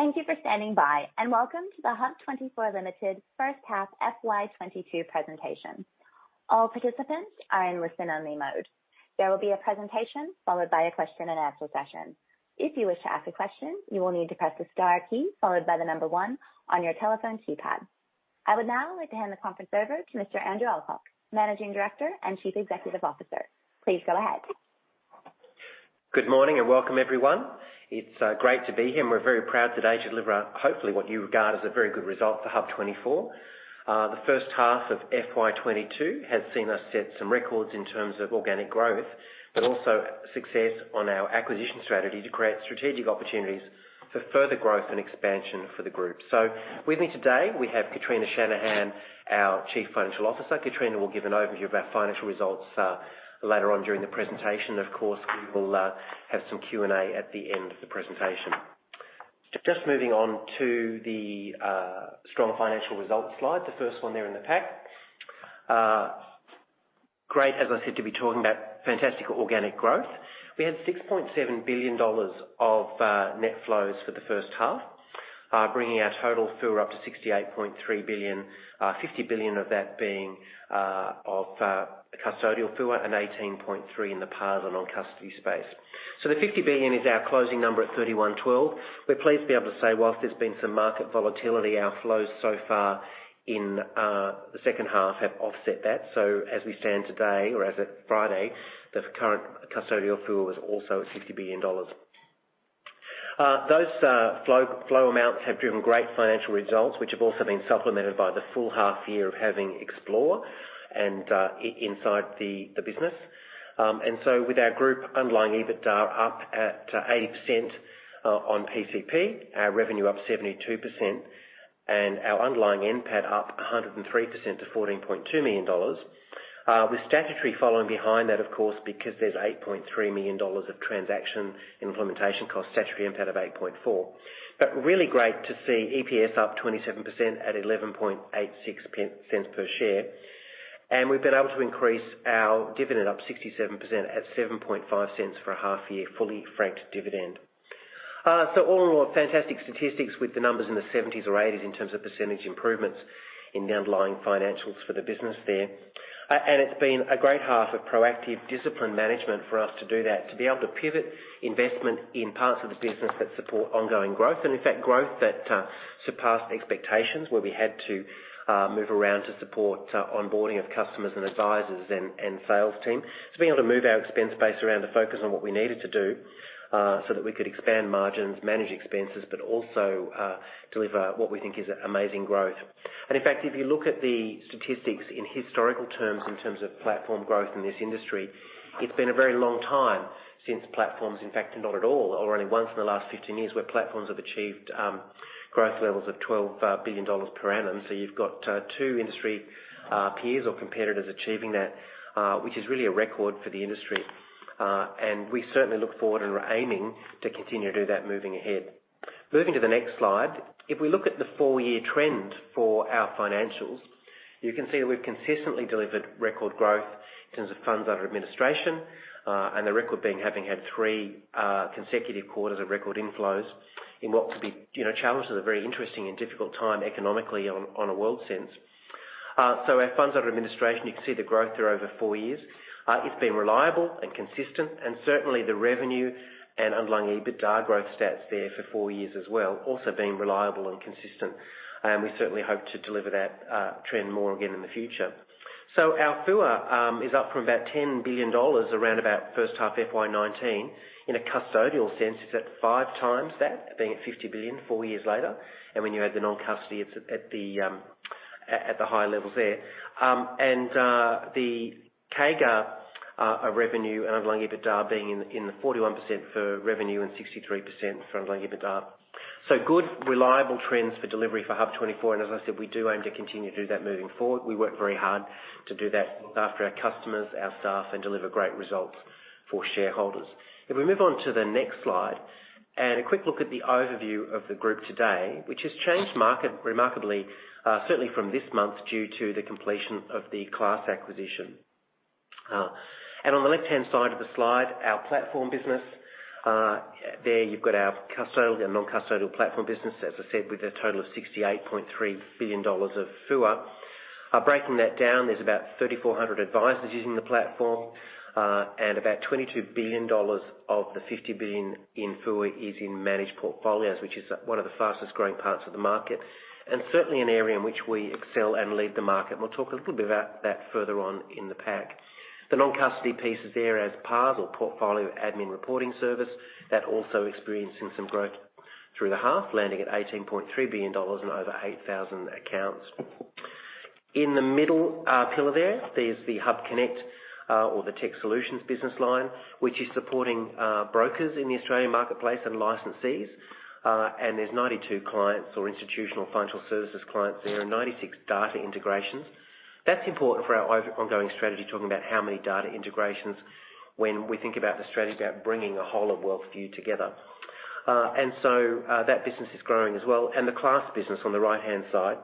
Thank you for standing by, and welcome to the HUB24 Limited first half FY 2022 presentation. All participants are in listen-only mode. There will be a presentation followed by a question and answer session. If you wish to ask a question, you will need to press the Star key followed by the number one on your telephone keypad. I would now like to hand the conference over to Mr. Andrew Alcock, Managing Director and Chief Executive Officer. Please go ahead. Good morning, and welcome everyone. It's great to be here, and we're very proud today to deliver, hopefully what you regard as a very good result for HUB24. The first half of FY 2022 has seen us set some records in terms of organic growth, but also success on our acquisition strategy to create strategic opportunities for further growth and expansion for the group. With me today, we have Catriona Shanahan, our Chief Financial Officer. Catriona will give an overview of our financial results later on during the presentation. Of course, we will have some Q&A at the end of the presentation. Just moving on to the strong financial results slide, the first one there in the pack. Great, as I said, to be talking about fantastic organic growth. We had 6.7 billion dollars of net flows for the first half, bringing our total FUA up to 68.3 billion, 50 billion of that being of custodial FUA and 18.3 billion in the PAS and non-custody space. The 50 billion is our closing number at 31/12. We're pleased to be able to say whilst there's been some market volatility, our flows so far in the second half have offset that. As we stand today or as at Friday, the current custodial FUA was also 60 billion dollars. Those flow amounts have driven great financial results, which have also been supplemented by the full half year of having Xplore and inside the business. With our group underlying EBITDA up at 80% on PCP, our revenue up 72% and our underlying NPAT up 103% to 14.2 million dollars. With statutory following behind that of course, because there's 8.3 million dollars of transaction implementation cost, statutory NPAT of 8.4 million. But really great to see EPS up 27% at 0.1186 per share. We've been able to increase our dividend up 67% at 0.075 for a half year, fully franked dividend. All in all, fantastic statistics with the numbers in the 70s or 80s in terms of percentage improvements in the underlying financials for the business there. It's been a great half of proactive discipline management for us to do that, to be able to pivot investment in parts of the business that support ongoing growth. In fact, growth that surpassed expectations where we had to move around to support onboarding of customers and advisors and sales team, to be able to move our expense base around to focus on what we needed to do, so that we could expand margins, manage expenses, but also deliver what we think is amazing growth. In fact, if you look at the statistics in historical terms, in terms of platform growth in this industry, it's been a very long time since platforms, in fact, not at all or only once in the last 15 years, where platforms have achieved growth levels of 12 billion dollars per annum. You've got two industry peers or competitors achieving that, which is really a record for the industry. We certainly look forward and are aiming to continue to do that moving ahead. Moving to the next slide. If we look at the four-year trend for our financials, you can see that we've consistently delivered record growth in terms of funds under administration, and the record being having had three consecutive quarters of record inflows in what could be, you know, challenged as a very interesting and difficult time economically on a world sense. Our funds under administration, you can see the growth there over four years. It's been reliable and consistent, and certainly the revenue and underlying EBITDA growth stats there for four years as well, also being reliable and consistent. We certainly hope to deliver that trend more again in the future. Our FUA is up from about 10 billion dollars around about first half FY 2019. In a custodial sense, it's at five times that, being at 50 billion four years later. When you add the non-custody, it's at the higher levels there. The CAGR of revenue and underlying EBITDA being in the 41% for revenue and 63% for underlying EBITDA. Good reliable trends for delivery for HUB24, and as I said, we do aim to continue to do that moving forward. We work very hard to do that for our customers, our staff, and deliver great results for shareholders. If we move on to the next slide and a quick look at the overview of the group today, which has changed market remarkably, certainly from this month due to the completion of the Class acquisition. On the left-hand side of the slide, our platform business. There you've got our custodial and non-custodial platform business, as I said, with a total of 68.3 billion dollars of FUA. Breaking that down, there's about 3,400 advisors using the platform, and about 22 billion dollars of the 50 billion in FUA is in managed portfolios, which is one of the fastest growing parts of the market, and certainly an area in which we excel and lead the market. We'll talk a little bit about that further on in the pack. The non-custody piece is there as PARS or Portfolio Administration and Reporting Service that also experiencing some growth through the half, landing at 18.3 billion dollars and over 8,000 accounts. In the middle pillar there's the HUBconnect or the tech solutions business line, which is supporting brokers in the Australian marketplace and licensees. There's 92 clients or institutional financial services clients there, and 96 data integrations. That's important for our ongoing strategy, talking about how many data integrations when we think about the strategy about bringing a whole of wealth view together. That business is growing as well. The Class business on the right-hand side,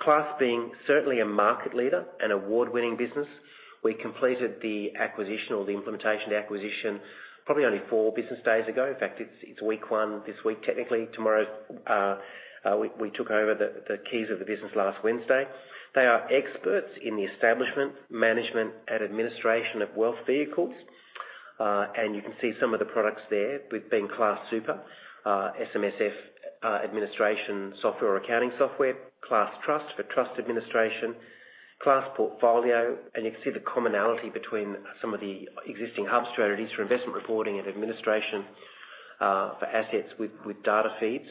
Class being certainly a market leader, an award-winning business. We completed the acquisition or the implementation, the acquisition probably only four business days ago. In fact, it's week one this week. Technically, tomorrow's we took over the keys of the business last Wednesday. They are experts in the establishment, management, and administration of wealth vehicles. You can see some of the products there with being Class Super, SMSF administration software or accounting software, Class Trust for trust administration, Class Portfolio, and you can see the commonality between some of the existing HUB strategies for investment reporting and administration for assets with data feeds.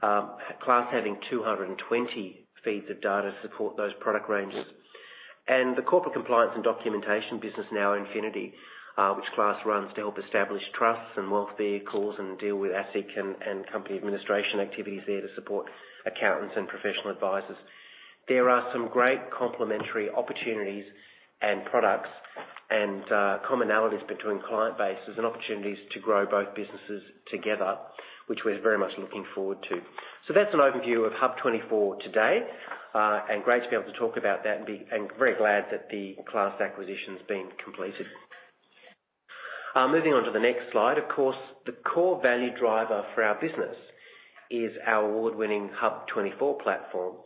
Class having 220 feeds of data to support those product ranges. The corporate compliance and documentation business NowInfinity, which Class runs to help establish trusts and wealth vehicles and deal with ASIC and company administration activities there to support accountants and professional advisors. There are some great complementary opportunities and products and commonalities between client bases and opportunities to grow both businesses together, which we're very much looking forward to. That's an overview of HUB24 today. Great to be able to talk about that and very glad that the Class acquisition's been completed. Moving on to the next slide. Of course, the core value driver for our business is our award-winning HUB24 platform.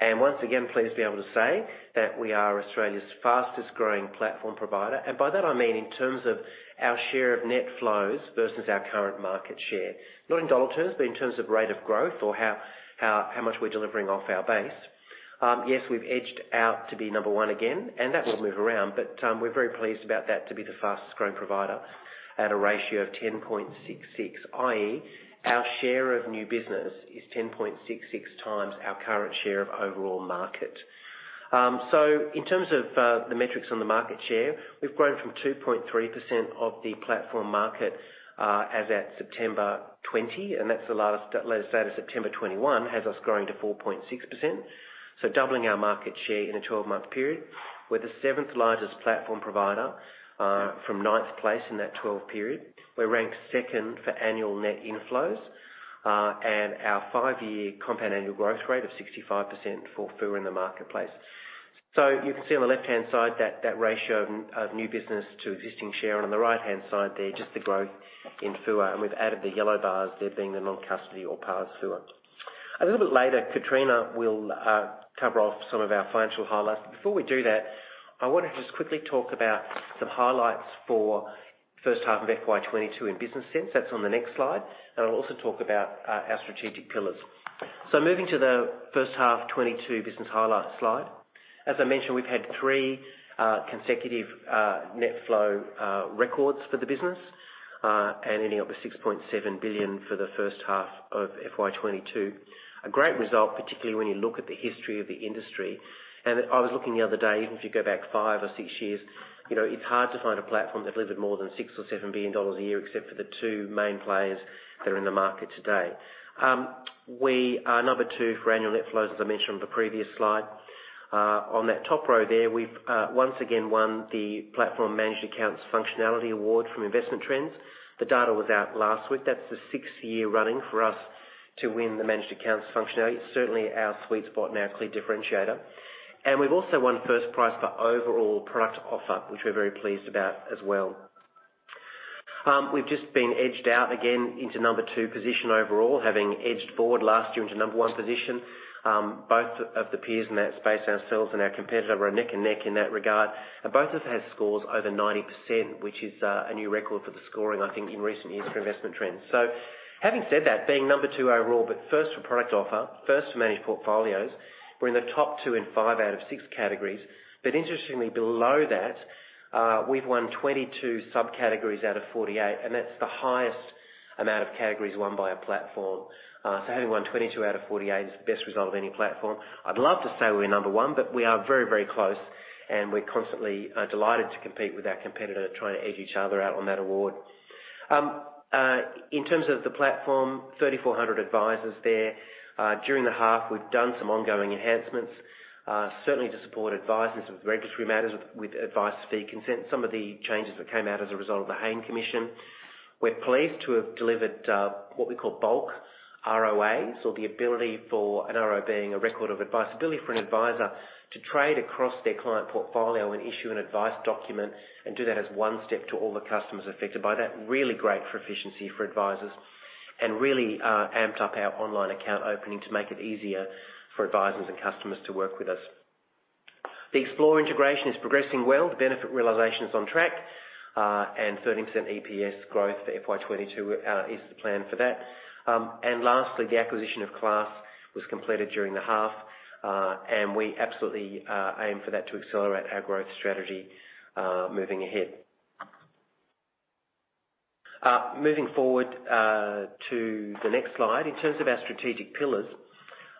Once again, pleased to be able to say that we are Australia's fastest growing platform provider. By that I mean in terms of our share of net flows versus our current market share. Not in dollar terms, but in terms of rate of growth or how much we're delivering off our base. Yes, we've edged out to be number one again, and that will move around, but we're very pleased about that to be the fastest growing provider at a ratio of 10.66, i.e. our share of new business is 10.66 times our current share of overall market. In terms of the metrics on the market share, we've grown from 2.3% of the platform market as at September 2020, and that's the latest data. September 2021 has us growing to 4.6%, so doubling our market share in a twelve-month period. We're the seventh largest platform provider from ninth place in that twelve-month period. We're ranked second for annual net inflows, and our five-year compound annual growth rate of 65% for FUA in the marketplace. You can see on the left-hand side that ratio of new business to existing share, and on the right-hand side there, just the growth in FUA, and we've added the yellow bars there being the non-custody or PARS FUA. A little bit later, Catrina will cover off some of our financial highlights. Before we do that, I wanna just quickly talk about some highlights for first half of FY 2022 in business sense. That's on the next slide. I'll also talk about our strategic pillars. Moving to the first half 2022 business highlights slide. As I mentioned, we've had three consecutive net flow records for the business, and ending up with 6.7 billion for the first half of FY 2022. A great result, particularly when you look at the history of the industry. I was looking the other day, even if you go back five or six years, you know, it's hard to find a platform that delivered more than AUD sixbillion or 7 billion dollars a year except for the two main players that are in the market today. We are number two for annual net flows, as I mentioned on the previous slide. On that top row there, we've once again won the Platform Managed Accounts Functionality Award from Investment Trends. The data was out last week. That's the sixth year running for us to win the Managed Accounts Functionality. It's certainly our sweet spot and our clear differentiator. We've also won first prize for overall product offer, which we're very pleased about as well. We've just been edged out again into number two position overall, having edged board last year into number one position. Both of the peers in that space, ourselves and our competitor, were neck and neck in that regard. Both of us had scores over 90%, which is a new record for the scoring, I think, in recent years for Investment Trends. Having said that, being number two overall, but first for product offer, first for managed portfolios, we're in the top two in five out of six categories. Interestingly, below that, we've won 22 subcategories out of 48, and that's the highest amount of categories won by a platform. Having won 22 out of 48 is the best result of any platform. I'd love to say we're number one, but we are very, very close, and we're constantly delighted to compete with our competitor, trying to edge each other out on that award. In terms of the platform, 3,400 advisors there. During the half, we've done some ongoing enhancements certainly to support advisors with regulatory matters, with advice fee consent, some of the changes that came out as a result of the Hayne Royal Commission. We're pleased to have delivered what we call bulk ROAs or the ability for an RO being a record of advice, ability for an advisor to trade across their client portfolio and issue an advice document and do that as one step to all the customers affected by that. Really great for efficiency for advisors and really amped up our online account opening to make it easier for advisors and customers to work with us. The Xplore integration is progressing well. The benefit realization is on track. 13% EPS growth for FY 2022 is the plan for that. Lastly, the acquisition of Class was completed during the half. We absolutely aim for that to accelerate our growth strategy, moving ahead. Moving forward, to the next slide. In terms of our strategic pillars,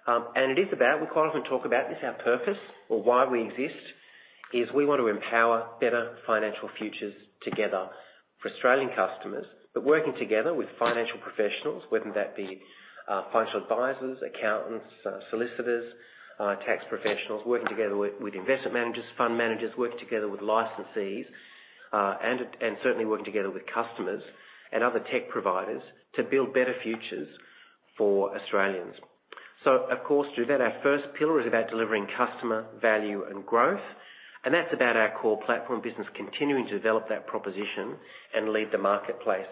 we quite often talk about this, our purpose or why we exist, is we want to empower better financial futures together for Australian customers, but working together with financial professionals, whether that be financial advisors, accountants, solicitors, tax professionals, working together with investment managers, fund managers, working together with licensees, and certainly working together with customers and other tech providers to build better futures for Australians. Of course, through that, our first pillar is about delivering customer value and growth, and that's about our core platform business, continuing to develop that proposition and lead the marketplace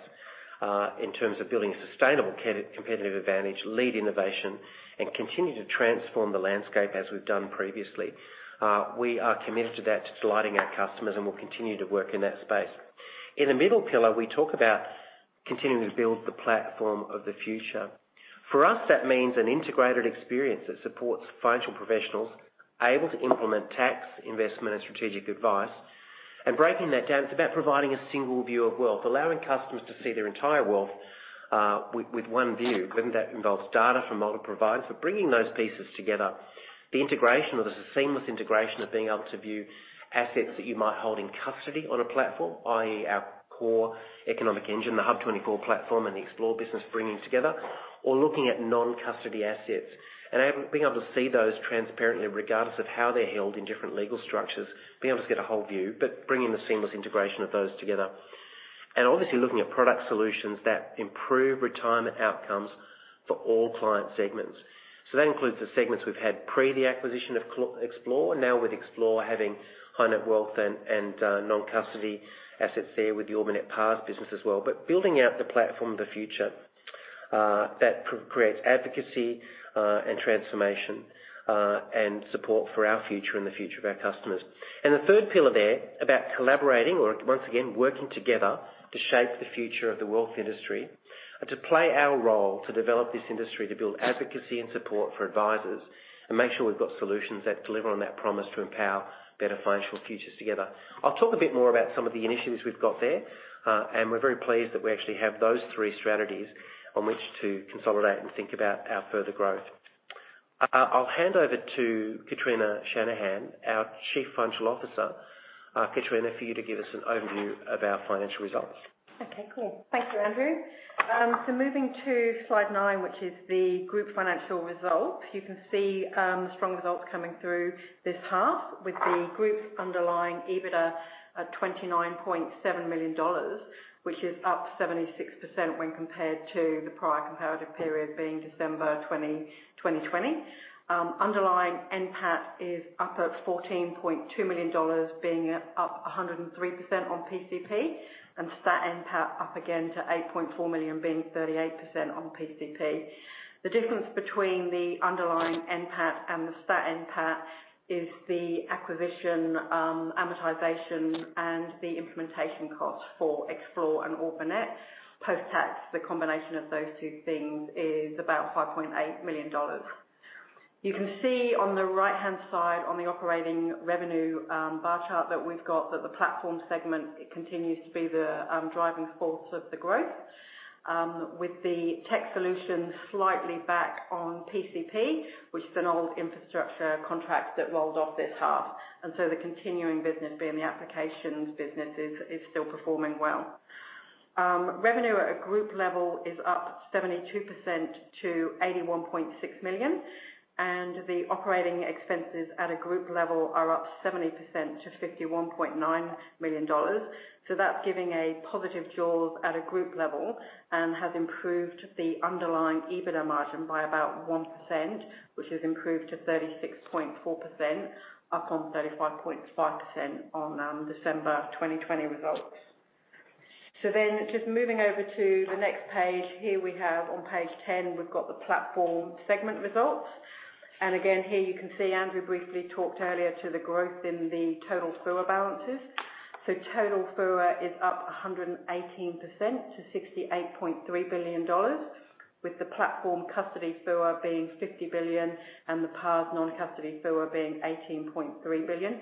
in terms of building a sustainable competitive advantage, lead innovation, and continue to transform the landscape as we've done previously. We are committed to that, to delighting our customers, and we'll continue to work in that space. In the middle pillar, we talk about continuing to build the platform of the future. For us, that means an integrated experience that supports financial professionals able to implement tax, investment and strategic advice. Breaking that down, it's about providing a single view of wealth, allowing customers to see their entire wealth, with one view, whether that involves data from multiple providers, bringing those pieces together. The integration or the seamless integration of being able to view assets that you might hold in custody on a platform, i.e., our core economic engine, the HUB24 platform, and the Xplore business bringing together or looking at non-custody assets and being able to see those transparently regardless of how they're held in different legal structures. Being able to get a whole view, but bringing the seamless integration of those together. Obviously looking at product solutions that improve retirement outcomes for all client segments. That includes the segments we've had pre the acquisition of Class, Xplore. Now with Xplore having high net worth and non-custody assets there with the Orbit PAS business as well. Building out the platform of the future that creates advocacy and transformation and support for our future and the future of our customers. The third pillar there about collaborating or once again working together to shape the future of the wealth industry. To play our role to develop this industry, to build advocacy and support for advisors and make sure we've got solutions that deliver on that promise to empower better financial futures together. I'll talk a bit more about some of the initiatives we've got there. We're very pleased that we actually have those three strategies on which to consolidate and think about our further growth. I'll hand over to Catriona Shanahan, our Chief Financial Officer. Kitrina, for you to give us an overview of our financial results. Okay, cool. Thank you, Andrew. Moving to slide nine, which is the group financial results. You can see the strong results coming through this half with the group's underlying EBITDA at 29.7 million dollars, which is up 76% when compared to the prior comparative period being December 20, 2020. Underlying NPAT is up at 14.2 million dollars, being up 103% on PCP and stat NPAT up again to 8.4 million, being 38% on PCP. The difference between the underlying NPAT and the stat NPAT is the acquisition amortization and the implementation cost for Xplore and Orbit, post-tax. The combination of those two things is about 5.8 million dollars. You can see on the right-hand side on the operating revenue, bar chart that we've got, that the platform segment continues to be the driving force of the growth, with the tech solution slightly back on PCP, which is an old infrastructure contract that rolled off this half. The continuing business being the applications business is still performing well. Revenue at a group level is up 72% to 81.6 million, and the operating expenses at a group level are up 70% to 51.9 million dollars. That's giving a positive jaws at a group level and has improved the underlying EBITDA margin by about 1%, which has improved to 36.4% up on 35.5% on December 2020 results. Just moving over to the next page. Here we have on page ten, we've got the platform segment results. Again here you can see Andrew briefly talked earlier to the growth in the total FUA balances. Total FUA is up 118% to 68.3 billion dollars, with the platform custody FUA being 50 billion and the PAS non-custody FUA being 18.3 billion.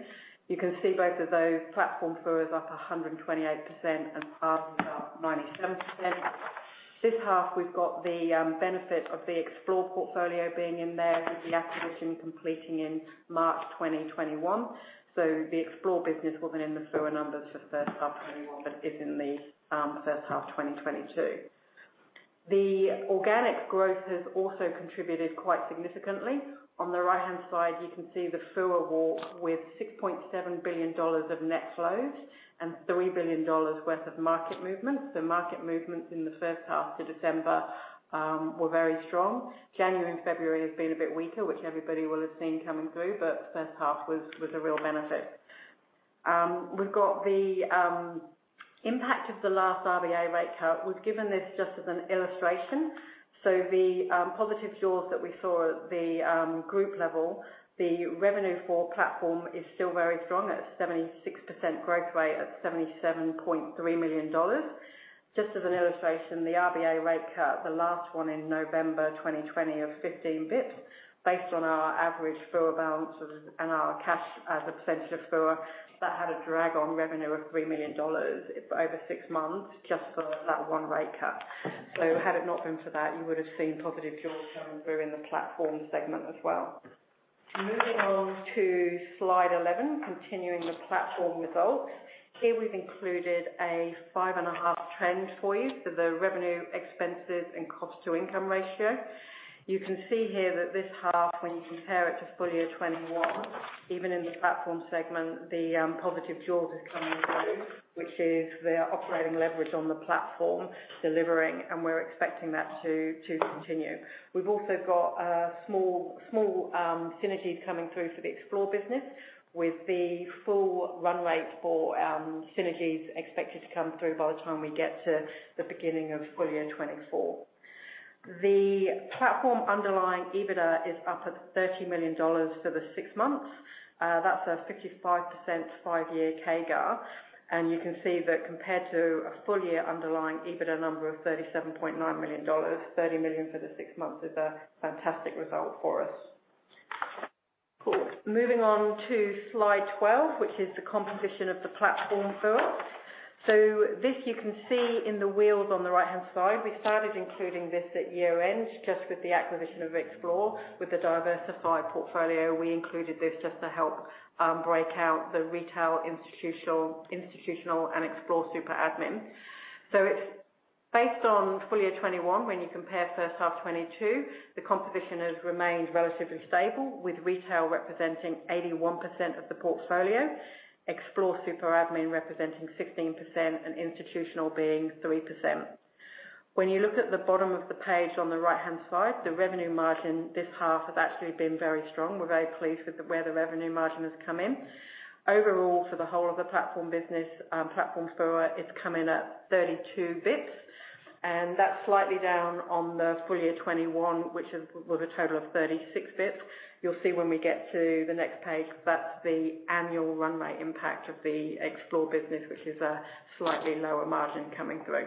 You can see both of those platform FUAs up 128% and PAS is up 97%. This half we've got the benefit of the Xplore portfolio being in there with the acquisition completing in March 2021. The Xplore business wasn't in the FUA numbers for first half 2021, but is in the first half 2022. The organic growth has also contributed quite significantly. On the right-hand side, you can see the FUA walk with 6.7 billion dollars of net flows and 3 billion dollars worth of market movement. Market movements in the first half to December were very strong. January and February has been a bit weaker, which everybody will have seen coming through, but first half was a real benefit. We've got the impact of the last RBA rate cut. We've given this just as an illustration. The positive jaws that we saw at the group level, the revenue for platform is still very strong at a 76% growth rate at 77.3 million dollars. Just as an illustration, the RBA rate cut, the last one in November 2020 of 15 bps, based on our average FUA balances and our cash as a percentage of FUA, that had a drag on revenue of three million dollars over sixmonths just for that one rate cut. Had it not been for that, you would have seen positive jaws coming through in the platform segment as well. Moving on to slide 11. Continuing the platform results. Here we've included a 5.5-year trend for you for the revenue, expenses and cost to income ratio. You can see here that this half when you compare it to full year 2021, even in the platform segment, the positive jaws is coming through, which is the operating leverage on the platform delivering, and we're expecting that to continue. We've also got small synergies coming through for the Xplore business with the full run rate for synergies expected to come through by the time we get to the beginning of FY 2024. The platform underlying EBITDA is up at 30 million dollars for the six months. That's a 55% five-year CAGR. You can see that compared to a full year underlying EBITDA number of 37.9 million dollars, 30 million for the six months is a fantastic result for us. Cool. Moving on to slide 12, which is the composition of the platform for us. This you can see in the wheels on the right-hand side. We started including this at year-end, just with the acquisition of Xplore. With the diversified portfolio, we included this just to help break out the retail, institutional and Xplore super admin. It's based on FY 2021. When you compare 1H 2022, the composition has remained relatively stable, with retail representing 81% of the portfolio, Xplore super admin representing 16%, and institutional being 3%. When you look at the bottom of the page on the right-hand side, the revenue margin this half has actually been very strong. We're very pleased with where the revenue margin has come in. Overall, for the whole of the platform business, platform FUA is coming at 32 basis points, and that's slightly down on the FY 2021, which was a total of 36 basis points. You'll see when we get to the next page, that's the annual run rate impact of the Xplore business, which is a slightly lower margin coming through.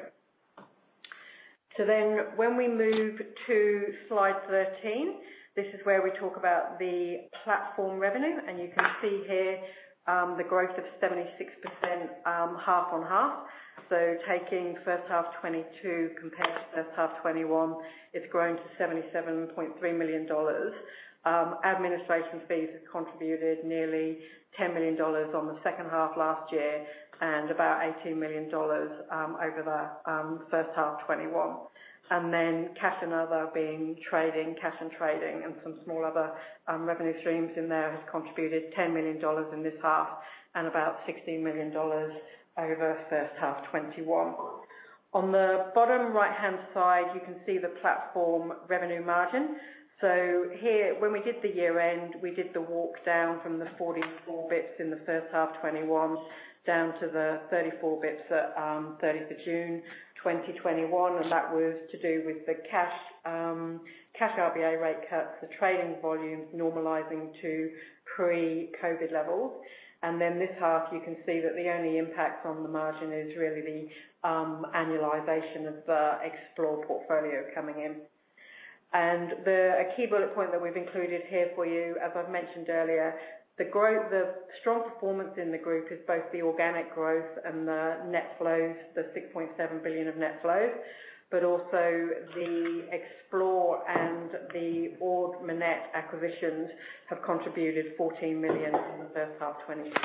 When we move to slide 13, this is where we talk about the platform revenue. You can see here, the growth of 76%, half-on-half. Taking first half 2022 compared to first half 2021, it's grown to 77.3 million dollars. Administration fees have contributed nearly 10 million dollars on the second half last year and about 18 million dollars over the first half 2021. Then cash and trading and some small other revenue streams in there has contributed 10 million dollars in this half and about 16 million dollars over first half 2021. On the bottom right-hand side, you can see the platform revenue margin. When we did the year-end, we did the walk down from the 44 bps in the first half 2021 down to the 34 bps at 30th of June 2021, and that was to do with the cash cash RBA rate cuts, the trading volumes normalizing to pre-COVID levels. Then this half you can see that the only impact on the margin is really the annualization of the Xplore portfolio coming in. A key bullet point that we've included here for you, as I've mentioned earlier, the strong performance in the group is both the organic growth and the net flows, the 6.7 billion of net flows. Also the Xplore and the Ord Minnett acquisitions have contributed 14 million in the first half 2022.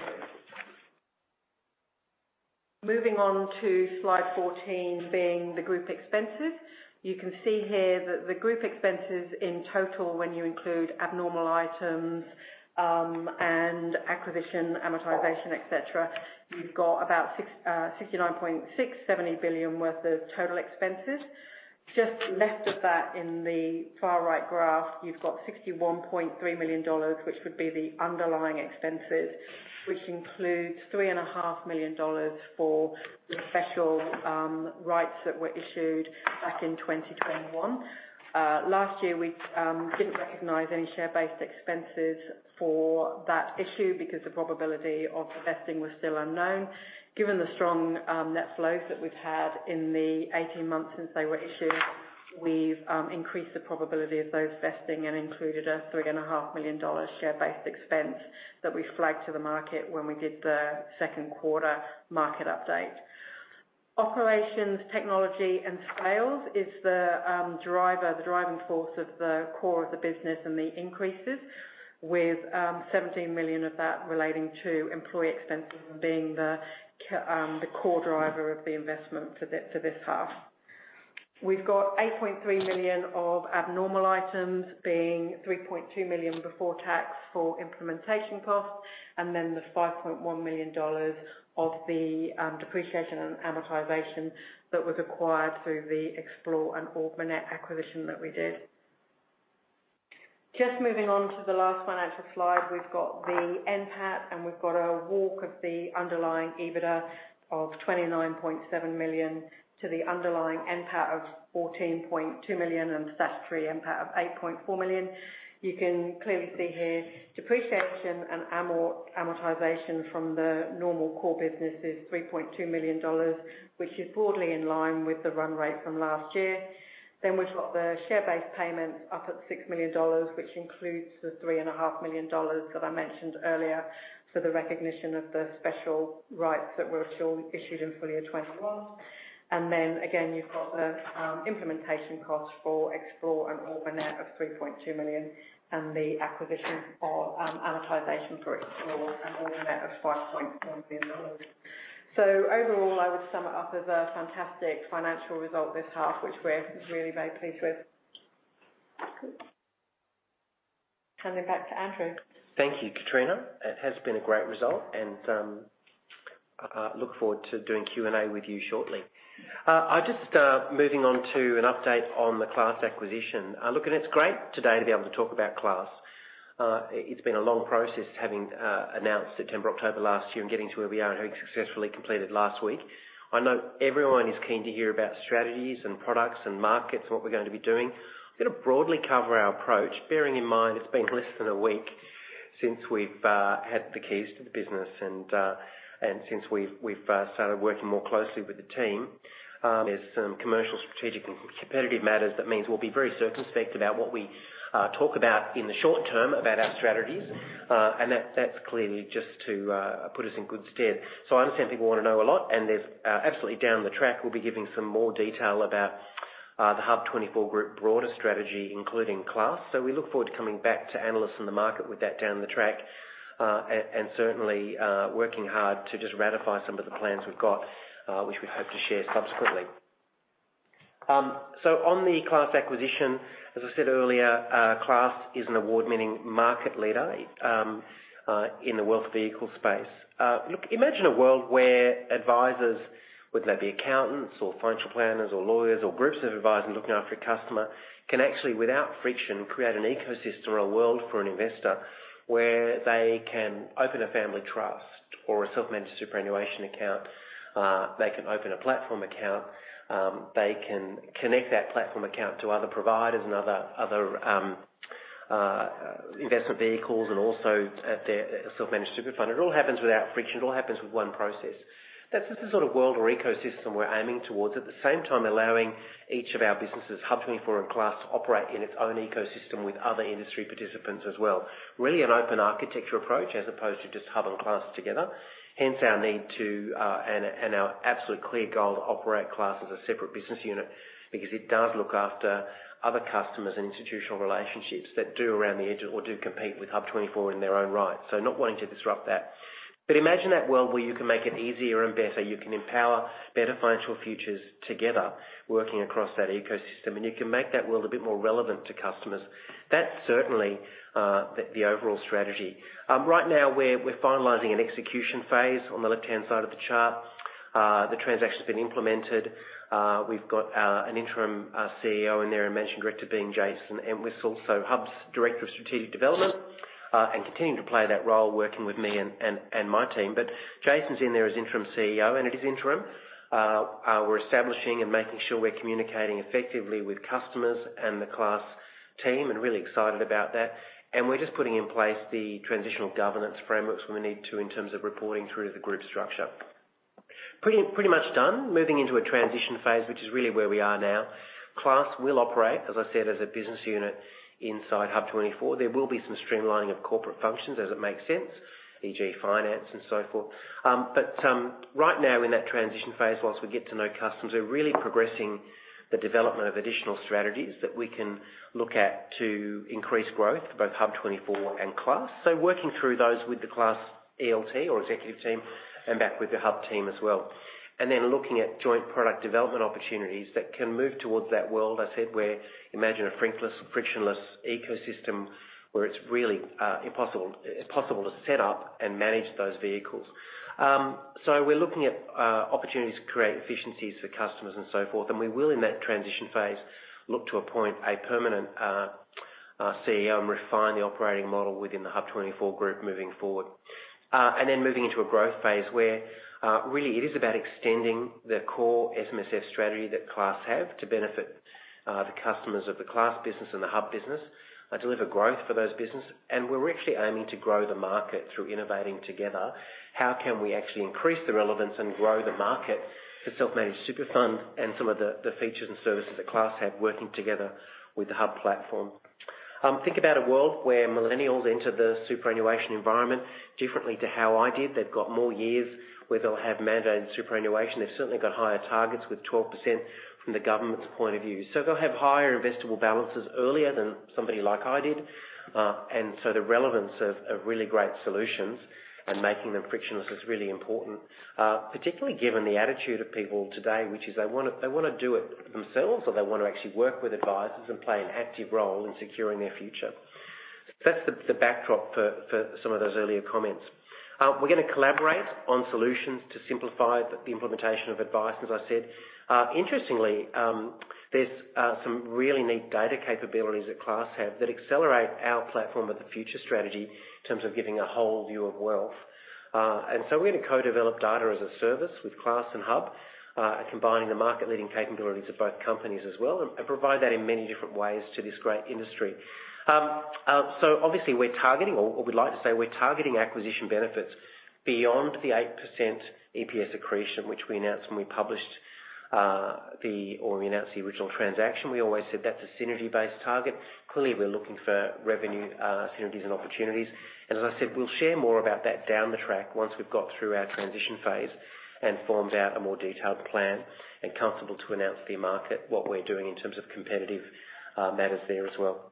Moving on to slide 14, being the group expenses. You can see here that the group expenses in total, when you include abnormal items, and acquisition amortization, etc., you've got about 69.6 billion-70 billion worth of total expenses. Just left of that in the far right graph, you've got 61.3 million dollars, which would be the underlying expenses, which includes 3.5 million dollars for the special rights that were issued back in 2021. Last year we didn't recognize any share-based expenses for that issue because the probability of the vesting was still unknown. Given the strong net flows that we've had in the 18 months since they were issued, we've increased the probability of those vesting and included a 3.5 million dollars share-based expense that we flagged to the market when we did the second quarter market update. Operations, technology, and sales is the driver, the driving force of the core of the business and the increases with 17 million of that relating to employee expenses being the core driver of the investment for this half. We've got 8.3 million of abnormal items, being 3.2 million before tax for implementation costs, and then the 5.1 million dollars of the depreciation and amortization that was acquired through the Xplore and Ord Minnett acquisition that we did. Just moving on to the last financial slide. We've got the NPAT, and we've got a walk of the underlying EBITDA of 29.7 million to the underlying NPAT of 14.2 million and statutory NPAT of 8.4 million. You can clearly see here depreciation and amortization from the normal core business is 3.2 million dollars, which is broadly in line with the run rate from last year. We've got the share-based payments up at 6 million dollars, which includes the 3.5 million dollars that I mentioned earlier for the recognition of the special rights that were issued in FY 2021. You've got the implementation costs for Xplore and Orbit of 3.2 million and the acquisition amortization for Xplore and Orbit of 5.1 million dollars. Overall, I would sum it up as a fantastic financial result this half, which we're really very pleased with. Coming back to Andrew. Thank you, Katrina. It has been a great result and I look forward to doing Q&A with you shortly. I'm just moving on to an update on the Class acquisition. Look, it's great today to be able to talk about Class. It's been a long process having announced September, October last year and getting to where we are and having successfully completed last week. I know everyone is keen to hear about strategies and products and markets and what we're going to be doing. I'm gonna broadly cover our approach, bearing in mind it's been less than a week since we've had the keys to the business and since we've started working more closely with the team. There's some commercial, strategic and competitive matters that means we'll be very circumspect about what we talk about in the short term about our strategies. That's clearly just to put us in good stead. I understand people wanna know a lot, and there's absolutely down the track, we'll be giving some more detail about the HUB24 Group broader strategy, including Class. We look forward to coming back to analysts in the market with that down the track. Certainly working hard to just ratify some of the plans we've got, which we hope to share subsequently. On the Class acquisition, as I said earlier, Class is an award-winning market leader in the wealth vehicle space. Look, imagine a world where advisors, whether they be accountants or financial planners or lawyers or groups of advisors looking after a customer, can actually, without friction, create an ecosystem or a world for an investor where they can open a family trust or a self-managed superannuation account. They can open a platform account. They can connect that platform account to other providers and other investment vehicles and also their self-managed super fund. It all happens without friction. It all happens with one process. That's just the sort of world or ecosystem we're aiming towards, at the same time allowing each of our businesses, HUB24 and Class, to operate in its own ecosystem with other industry participants as well. Really an open architecture approach as opposed to just HUB24 and Class together. Hence our need to and our absolute clear goal to operate Class as a separate business unit because it does look after other customers and institutional relationships that do around the edge or do compete with HUB24 in their own right. Not wanting to disrupt that. Imagine that world where you can make it easier and better, you can empower better financial futures together, working across that ecosystem, and you can make that world a bit more relevant to customers. That's certainly the overall strategy. Right now we're finalizing an execution phase on the left-hand side of the chart. The transaction's been implemented. We've got an interim CEO in there. I mentioned Director being Jason Entwistle, so HUB24's Director of Strategic Development and continuing to play that role working with me and my team. Jason's in there as interim CEO, and it is interim. We're establishing and making sure we're communicating effectively with customers and the Class team, and really excited about that. We're just putting in place the transitional governance frameworks when we need to in terms of reporting through the group structure. Pretty much done. Moving into a transition phase, which is really where we are now. Class will operate, as I said, as a business unit inside HUB24. There will be some streamlining of corporate functions as it makes sense, e.g. finance and so forth. Right now in that transition phase, while we get to know customers, we're really progressing the development of additional strategies that we can look at to increase growth for both HUB24 and Class. Working through those with the Class ELT or executive team and back with the HUB24 team as well. Then looking at joint product development opportunities that can move towards that world, I said, where imagine a frictionless ecosystem where it's really possible to set up and manage those vehicles. We're looking at opportunities to create efficiencies for customers and so forth. We will, in that transition phase, look to appoint a permanent CEO and refine the operating model within the HUB24 Group moving forward. Moving into a growth phase where really it is about extending the core SMSF strategy that Class have to benefit the customers of the Class business and the HUB24 business, deliver growth for those business. We're actually aiming to grow the market through innovating together. How can we actually increase the relevance and grow the market for self-managed super funds and some of the features and services that Class have working together with the HUB platform? Think about a world where millennials enter the superannuation environment differently to how I did. They've got more years where they'll have mandated superannuation. They've certainly got higher targets with 12% from the government's point of view. So they'll have higher investable balances earlier than somebody like I did. And so the relevance of really great solutions and making them frictionless is really important, particularly given the attitude of people today, which is they wanna do it themselves or they wanna actually work with advisors and play an active role in securing their future. That's the backdrop for some of those earlier comments. We're gonna collaborate on solutions to simplify the implementation of advice, as I said. Interestingly, there's some really neat data capabilities that Class have that accelerate our platform with the future strategy in terms of giving a whole view of wealth. We're gonna co-develop data as a service with Class and Hub, combining the market-leading capabilities of both companies as well and provide that in many different ways to this great industry. Obviously we're targeting or we'd like to say we're targeting acquisition benefits beyond the 8% EPS accretion, which we announced when we published or we announced the original transaction. We always said that's a synergy-based target. Clearly, we're looking for revenue synergies and opportunities. As I said, we'll share more about that down the track once we've got through our transition phase and formed out a more detailed plan and comfortable to announce to the market what we're doing in terms of competitive matters there as well.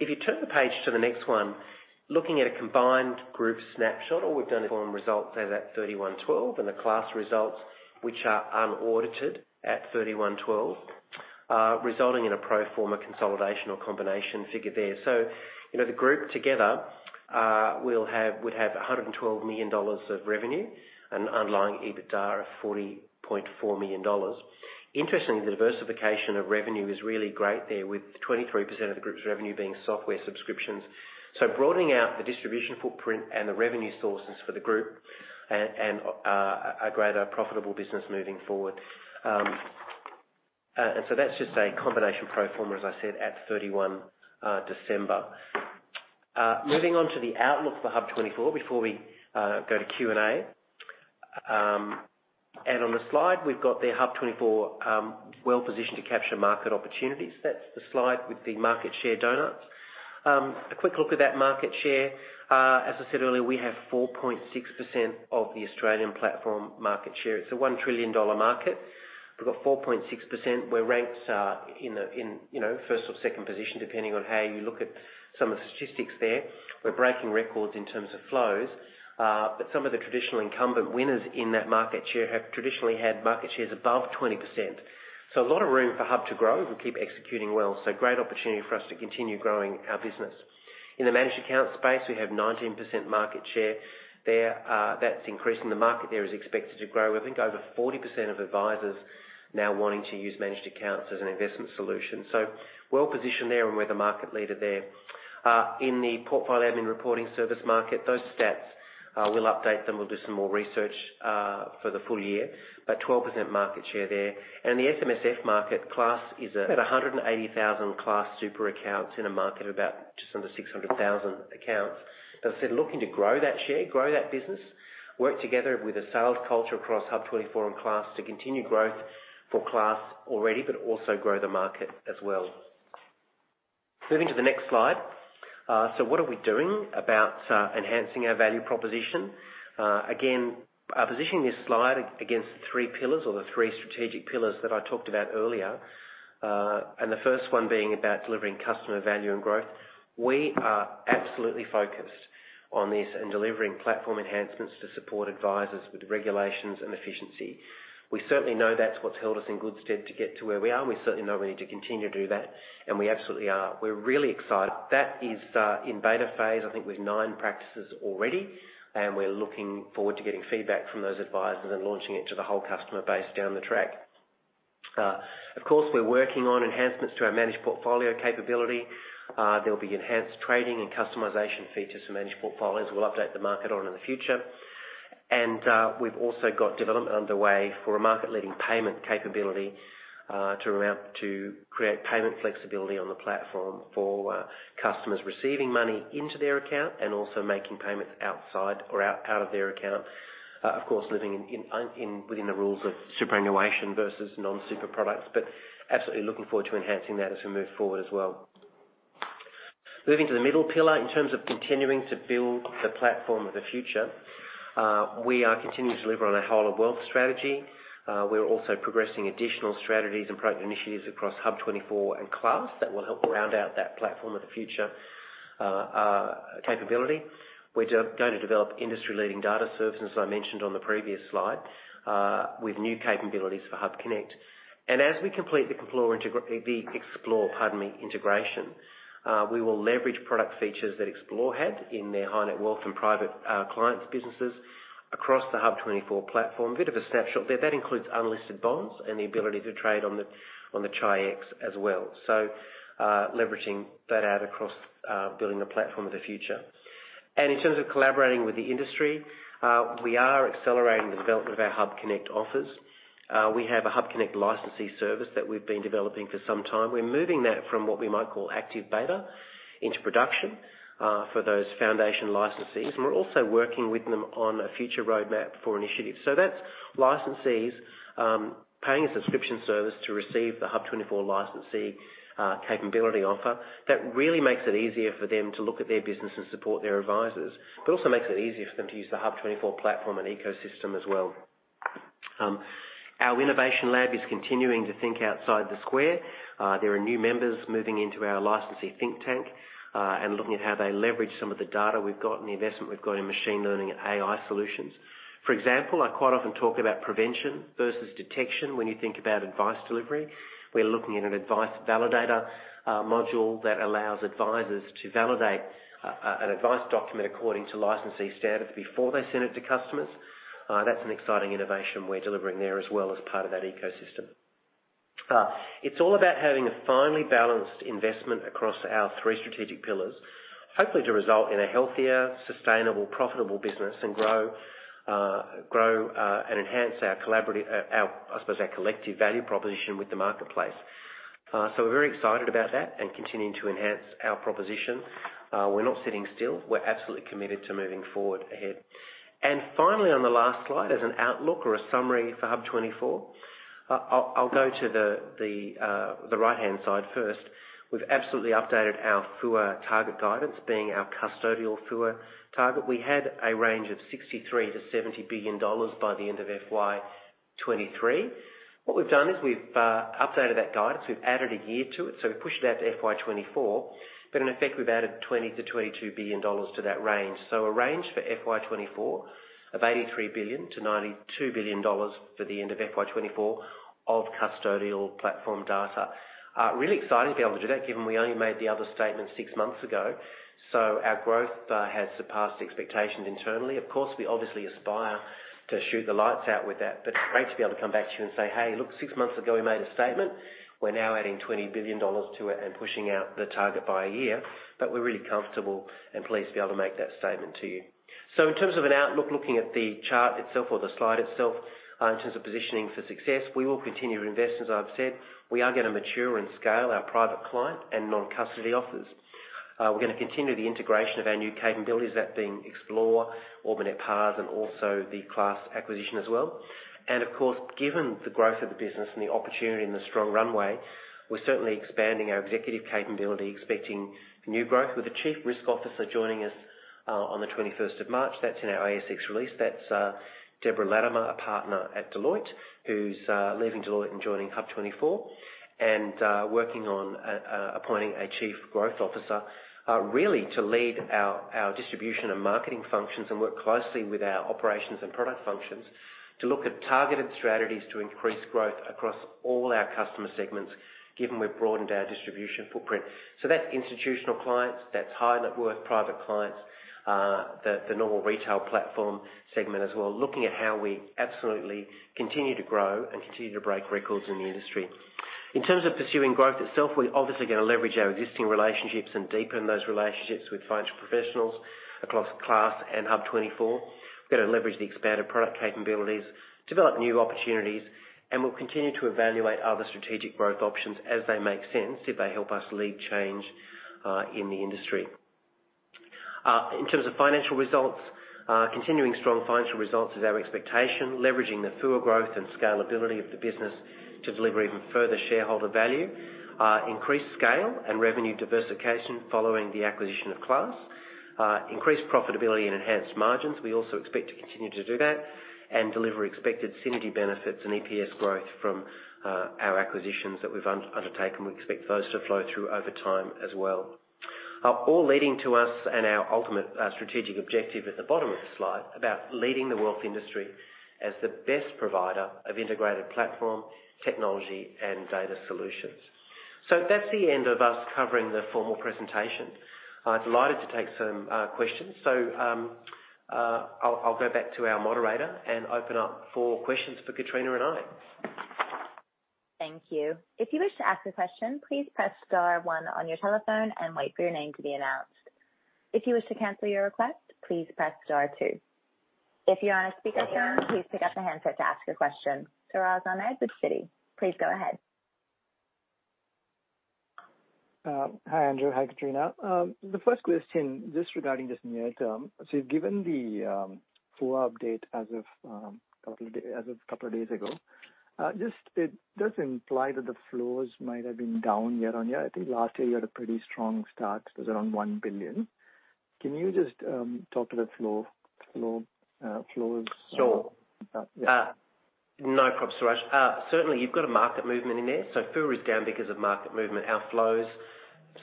If you turn the page to the next one, looking at a combined group snapshot, all we've done is on results as at 31 December and the Class results, which are unaudited at 31 December. Resulting in a pro forma consolidation or combination figure there. You know, the group together would have 112 million dollars of revenue and underlying EBITDA of 40.4 million dollars. Interestingly, the diversification of revenue is really great there, with 23% of the group's revenue being software subscriptions. Broadening out the distribution footprint and the revenue sources for the group and a greater profitable business moving forward. That's just a combination pro forma, as I said, at 31 December. Moving on to the outlook for HUB24 before we go to Q&A. On the slide we've got there, HUB24 well-positioned to capture market opportunities. That's the slide with the market share donuts. A quick look at that market share. As I said earlier, we have 4.6% of the Australian platform market share. It's a 1 trillion dollar market. We've got 4.6%. We're ranked in, you know, first or second position, depending on how you look at some of the statistics there. We're breaking records in terms of flows. Some of the traditional incumbent winners in that market share have traditionally had market shares above 20%. A lot of room for Hub to grow if we keep executing well. Great opportunity for us to continue growing our business. In the managed account space we have 19% market share there. That's increasing. The market there is expected to grow. I think over 40% of advisors now wanting to use managed accounts as an investment solution. Well-positioned there and we're the market leader there. In the portfolio admin reporting service market, those stats, we'll update them. We'll do some more research for the full year, but 12% market share there. The SMSF market, Class is at 180,000 Class Super accounts in a market of about just under 600,000 accounts. As I said, looking to grow that share, grow that business, work together with a sales culture across HUB24 and Class to continue growth for Class already, but also grow the market as well. Moving to the next slide. What are we doing about enhancing our value proposition? Again, positioning this slide against the three pillars or the three strategic pillars that I talked about earlier. The first one being about delivering customer value and growth. We are absolutely focused on this and delivering platform enhancements to support advisors with regulations and efficiency. We certainly know that's what's held us in good stead to get to where we are, and we certainly know we need to continue to do that, and we absolutely are. We're really excited. That is in beta phase, I think with nine practices already, and we're looking forward to getting feedback from those advisors and launching it to the whole customer base down the track. Of course, we're working on enhancements to our managed portfolio capability. There'll be enhanced trading and customization features for managed portfolios we'll update the market on in the future. We've also got development underway for a market-leading payment capability to create payment flexibility on the platform for customers receiving money into their account and also making payments out of their account. Of course, living within the rules of superannuation versus non-super products. Absolutely looking forward to enhancing that as we move forward as well. Moving to the middle pillar in terms of continuing to build the platform of the future. We are continuing to deliver on our whole of wealth strategy. We're also progressing additional strategies and product initiatives across HUB24 and Class that will help round out that platform of the future capability. We're gonna develop industry-leading data services, as I mentioned on the previous slide, with new capabilities for HUBconnect. As we complete the Xplore integration, we will leverage product features that Xplore had in their high net worth and private clients businesses across the HUB24 platform. Bit of a snapshot there. That includes unlisted bonds and the ability to trade on the Chi-X as well. Leveraging that out across building the platform of the future. In terms of collaborating with the industry, we are accelerating the development of our HUBconnect offers. We have a HUBconnect licensee service that we've been developing for some time. We're moving that from what we might call active beta into production for those foundation licensees. We're also working with them on a future roadmap for initiatives. That's licensees paying a subscription service to receive the HUB24 licensee capability offer. That really makes it easier for them to look at their business and support their advisors. It also makes it easier for them to use the HUB24 platform and ecosystem as well. Our innovation lab is continuing to think outside the square. There are new members moving into our licensee think tank and looking at how they leverage some of the data we've got and the investment we've got in machine learning and AI solutions. For example, I quite often talk about prevention versus detection when you think about advice delivery. We're looking at an advice validator module that allows advisors to validate an advice document according to licensee standards before they send it to customers. That's an exciting innovation we're delivering there as well as part of that ecosystem. It's all about having a finely balanced investment across our three strategic pillars, hopefully to result in a healthier, sustainable, profitable business and grow and enhance our collaborative, I suppose, our collective value proposition with the marketplace. We're very excited about that and continuing to enhance our proposition. We're not sitting still. We're absolutely committed to moving forward ahead. Finally, on the last slide, as an outlook or a summary for HUB24, I'll go to the right-hand side first. We've absolutely updated our FUA target guidance being our custodial FUA target. We had a range of 63 billion-70 billion dollars by the end of FY 2023. What we've done is we've updated that guidance. We've added a year to it, so we pushed it out to FY 2024. In effect, we've added 20 billion-22 billion dollars to that range. A range for FY 2024 of 83 billion-92 billion dollars for the end of FY 2024 of custodial platform data. Really exciting to be able to do that, given we only made the other statement six months ago. Our growth has surpassed expectations internally. Of course, we obviously aspire to shoot the lights out with that, but it's great to be able to come back to you and say, "Hey, look, six months ago we made a statement. We're now adding 20 billion dollars to it and pushing out the target by a year." We're really comfortable and pleased to be able to make that statement to you. In terms of an outlook, looking at the chart itself or the slide itself, in terms of positioning for success, we will continue to invest, as I've said. We are gonna mature and scale our private client and non-custody offers. We're gonna continue the integration of our new capabilities, that being Xplore, Orbit, PARS, and also the Class acquisition as well. Of course, given the growth of the business and the opportunity and the strong runway, we're certainly expanding our executive capability, expecting new growth with the Chief Risk Officer joining us on the twenty-first of March. That's in our ASX release. That's Deborah Latimer, a partner at Deloitte, who's leaving Deloitte and joining HUB24, and working on appointing a Chief Growth Officer, really to lead our distribution and marketing functions and work closely with our operations and product functions to look at targeted strategies to increase growth across all our customer segments, given we've broadened our distribution footprint. That's institutional clients, that's high-net-worth private clients, the normal retail platform segment as well, looking at how we absolutely continue to grow and continue to break records in the industry. In terms of pursuing growth itself, we obviously gonna leverage our existing relationships and deepen those relationships with financial professionals across Class and HUB24. We're gonna leverage the expanded product capabilities, develop new opportunities, and we'll continue to evaluate other strategic growth options as they make sense, if they help us lead change in the industry. In terms of financial results, continuing strong financial results is our expectation, leveraging the full growth and scalability of the business to deliver even further shareholder value. Increased scale and revenue diversification following the acquisition of Class. Increased profitability and enhanced margins, we also expect to continue to do that, and deliver expected synergy benefits and EPS growth from our acquisitions that we've undertaken. We expect those to flow through over time as well. All leading to us and our ultimate strategic objective at the bottom of the slide about leading the wealth industry as the best provider of integrated platform, technology, and data solutions. That's the end of us covering the formal presentation. I'm delighted to take some questions. I'll go back to our moderator and open up for questions for Katrina and I. Thank you. If you wish to ask a question, please press star one on your telephone and wait for your name to be announced. If you wish to cancel your request, please press star two. If you're on a speakerphone, please pick up the handset to ask a question. SirajAhmed with Citi, please go ahead. Hi, Andrew. Hi, Kitrina. The first question, just regarding this near term. You've given the full update as of a couple of days ago. Just, it does imply that the flows might have been down year on year. I think last year you had a pretty strong start. It was around 1 billion. Can you just talk to the flows? Sure. Yeah. No probs, Siraj. Certainly you've got a market movement in there, so FU is down because of market movement. Our flows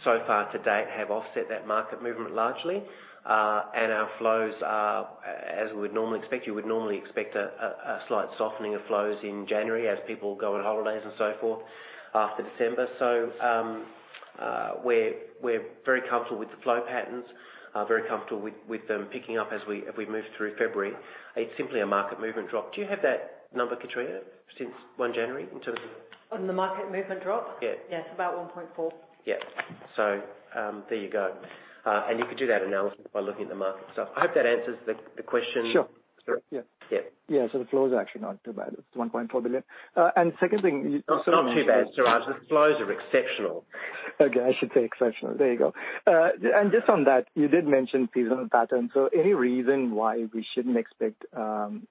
so far to date have offset that market movement largely. Our flows are as we would normally expect. You would normally expect a slight softening of flows in January as people go on holidays and so forth for December. We're very comfortable with the flow patterns, very comfortable with them picking up as we move through February. It's simply a market movement drop. Do you have that number, Katrina, since 1 January in terms of- On the market movement drop? Yeah. Yes, about 1.4. Yeah. There you go. You could do that analysis by looking at the market. I hope that answers the question. Sure. Suraj. Yeah. Yeah. Yeah, the flows are actually not too bad. It's 1.4 billion. Second thing you also- Not too bad, Siraj. The flows are exceptional. Okay, I should say exceptional. There you go. Just on that, you did mention seasonal patterns. Any reason why we shouldn't expect the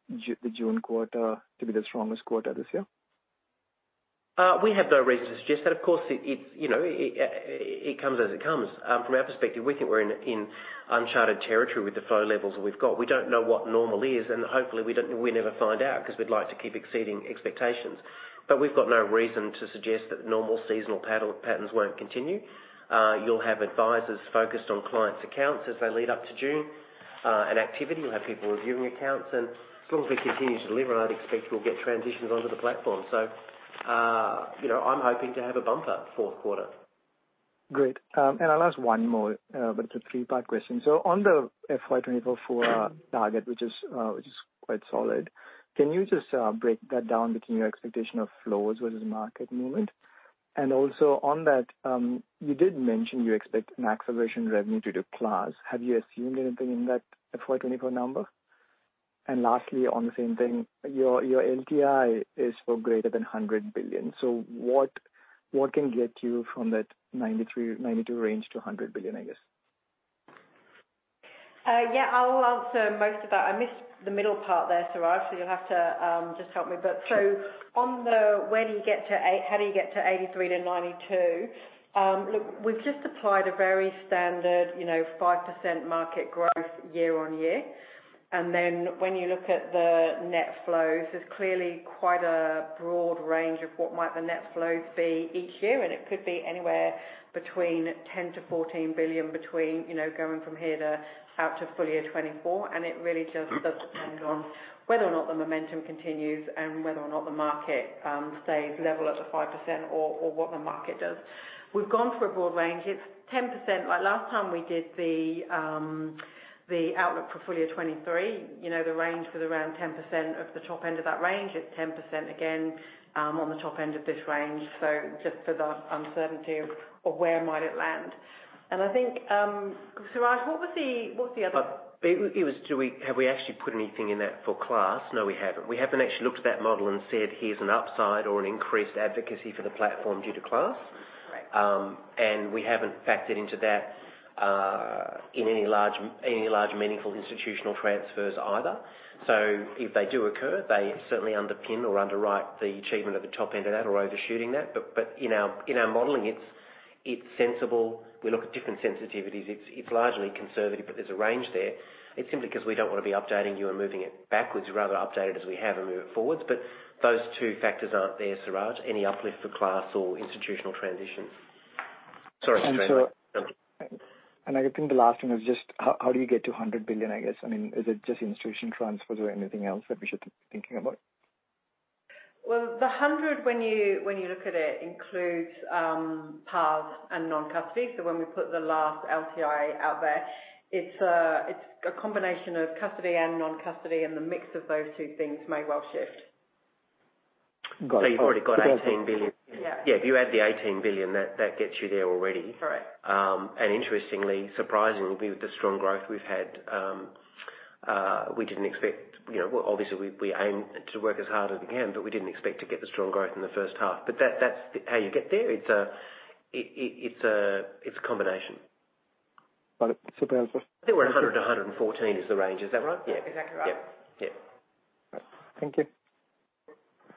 June quarter to be the strongest quarter this year? We have no reason to suggest that. Of course, you know, it comes as it comes. From our perspective, we think we're in uncharted territory with the flow levels that we've got. We don't know what normal is, and hopefully we never find out 'cause we'd like to keep exceeding expectations. We've got no reason to suggest that normal seasonal patterns won't continue. You'll have advisors focused on clients' accounts as they lead up to June, and activity. You'll have people reviewing accounts, and as long as we continue to deliver, I'd expect we'll get transitions onto the platform. You know, I'm hoping to have a bumper fourth quarter. Great. I'll ask one more, but it's a three-part question. On the FY 2024 full-year target, which is quite solid, can you just break that down between your expectation of flows versus market movement? Also on that, you did mention you expect an acceleration in revenue due to Class. Have you assumed anything in that FY 2024 number? Lastly, on the same thing, your LTI is for greater than 100 billion. What can get you from that 93-92 billion range to 100 billion, I guess? Yeah, I'll answer most of that. I missed the middle part there, Siraj, so you'll have to just help me. On the, when you get to 83-92? How do you get to 83-92? Look, we've just applied a very standard, you know, 5% market growth year-on-year. Then when you look at the net flows, there's clearly quite a broad range of what might the net flow be each year, and it could be anywhere between 10-14 billion between, you know, going from here to out to full year 2024. It really just does depend on whether or not the momentum continues and whether or not the market stays level at the 5% or what the market does. We've gone for a broad range. It's 10%. Like, last time we did the outlook for FY 2023, you know, the range was around 10% off the top end of that range. It's 10% again, on the top end of this range. Just for the uncertainty of where might it land. I think, Siraj, what was the other- Have we actually put anything in that for Class? No, we haven't. We haven't actually looked at that model and said, "Here's an upside or an increased advocacy for the platform due to Class. Right. We haven't factored into that in any large meaningful institutional transfers either. If they do occur, they certainly underpin or underwrite the achievement of the top end of that or overshooting that. In our modeling, it's sensible. We look at different sensitivities. It's largely conservative, but there's a range there. It's simply 'cause we don't wanna be updating you and moving it backwards. We'd rather update it as we have and move it forwards. Those two factors aren't there, Siraj. Any uplift for Class or institutional transitions. Sorry, Kitrina. And so- No. I think the last thing is just how do you get to 100 billion, I guess? I mean, is it just institution transfers or anything else that we should be thinking about? Well, the 100, when you look at it, includes PARS and non-custody. When we put the last LTI out there, it's a combination of custody and non-custody, and the mix of those two things may well shift. Got it. You've already got 18 billion. Yeah. Yeah, if you add the 18 billion, that gets you there already. Correct. Interestingly, surprisingly, with the strong growth we've had, we didn't expect, you know. Well, obviously, we aim to work as hard as we can, but we didn't expect to get the strong growth in the first half. That's how you get there. It's a combination. Got it. Super helpful. I think we're at 100-114 is the range. Is that right? Yeah. Exactly right. Yeah. Yeah. Thank you.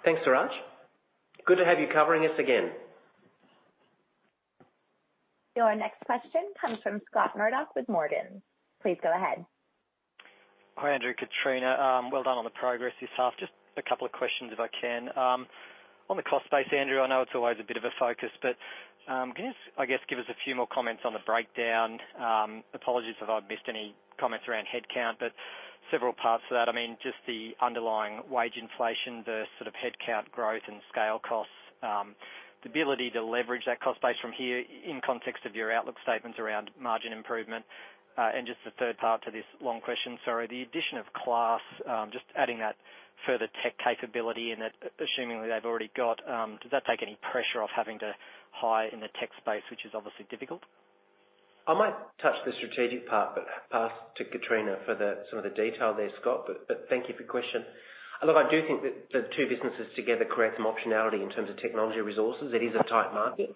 Thanks, Siraj. Good to have you covering us again. Your next question comes from Scott Murdoch with Morgans. Please go ahead. Hi, Andrew, Kitrina. Well done on the progress this half. Just a couple of questions if I can. On the cost base, Andrew, I know it's always a bit of a focus, but can you, I guess, give us a few more comments on the breakdown. Apologies if I've missed any comments around headcount, but several parts to that. I mean, just the underlying wage inflation versus sort of headcount growth and scale costs. The ability to leverage that cost base from here in context of your outlook statements around margin improvement. And just the third part to this long question, sorry. The addition of Class just adding that further tech capability and that assuming they've already got does that take any pressure off having to hire in the tech space, which is obviously difficult. I might touch the strategic part but pass to Katrina for some of the detail there, Scott. Thank you for your question. Look, I do think that the two businesses together create some optionality in terms of technology resources. It is a tight market.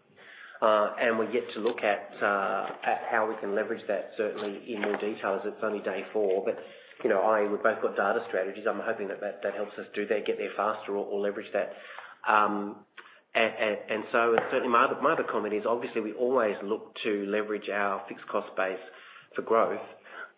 We're yet to look at how we can leverage that certainly in more detail as it's only day four. You know, we've both got data strategies. I'm hoping that helps us do that, get there faster or leverage that. Certainly my other comment is obviously we always look to leverage our fixed cost base for growth.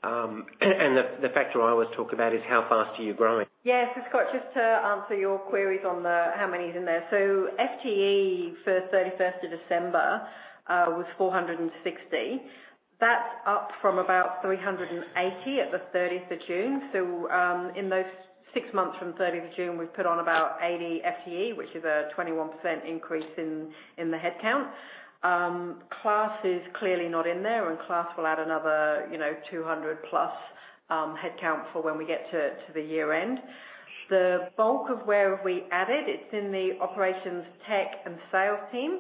The factor I always talk about is how fast are you growing. Yes, Scott, just to answer your queries on the how many is in there. FTE for 31st of December was 460. That's up from about 380 at the 30th of June. In those six months from 30th of June, we've put on about 80 FTE, which is a 21% increase in the headcount. Class is clearly not in there, and Class will add another, you know, 200+ headcount for when we get to the year end. The bulk of where we added, it's in the operations, tech and sales team.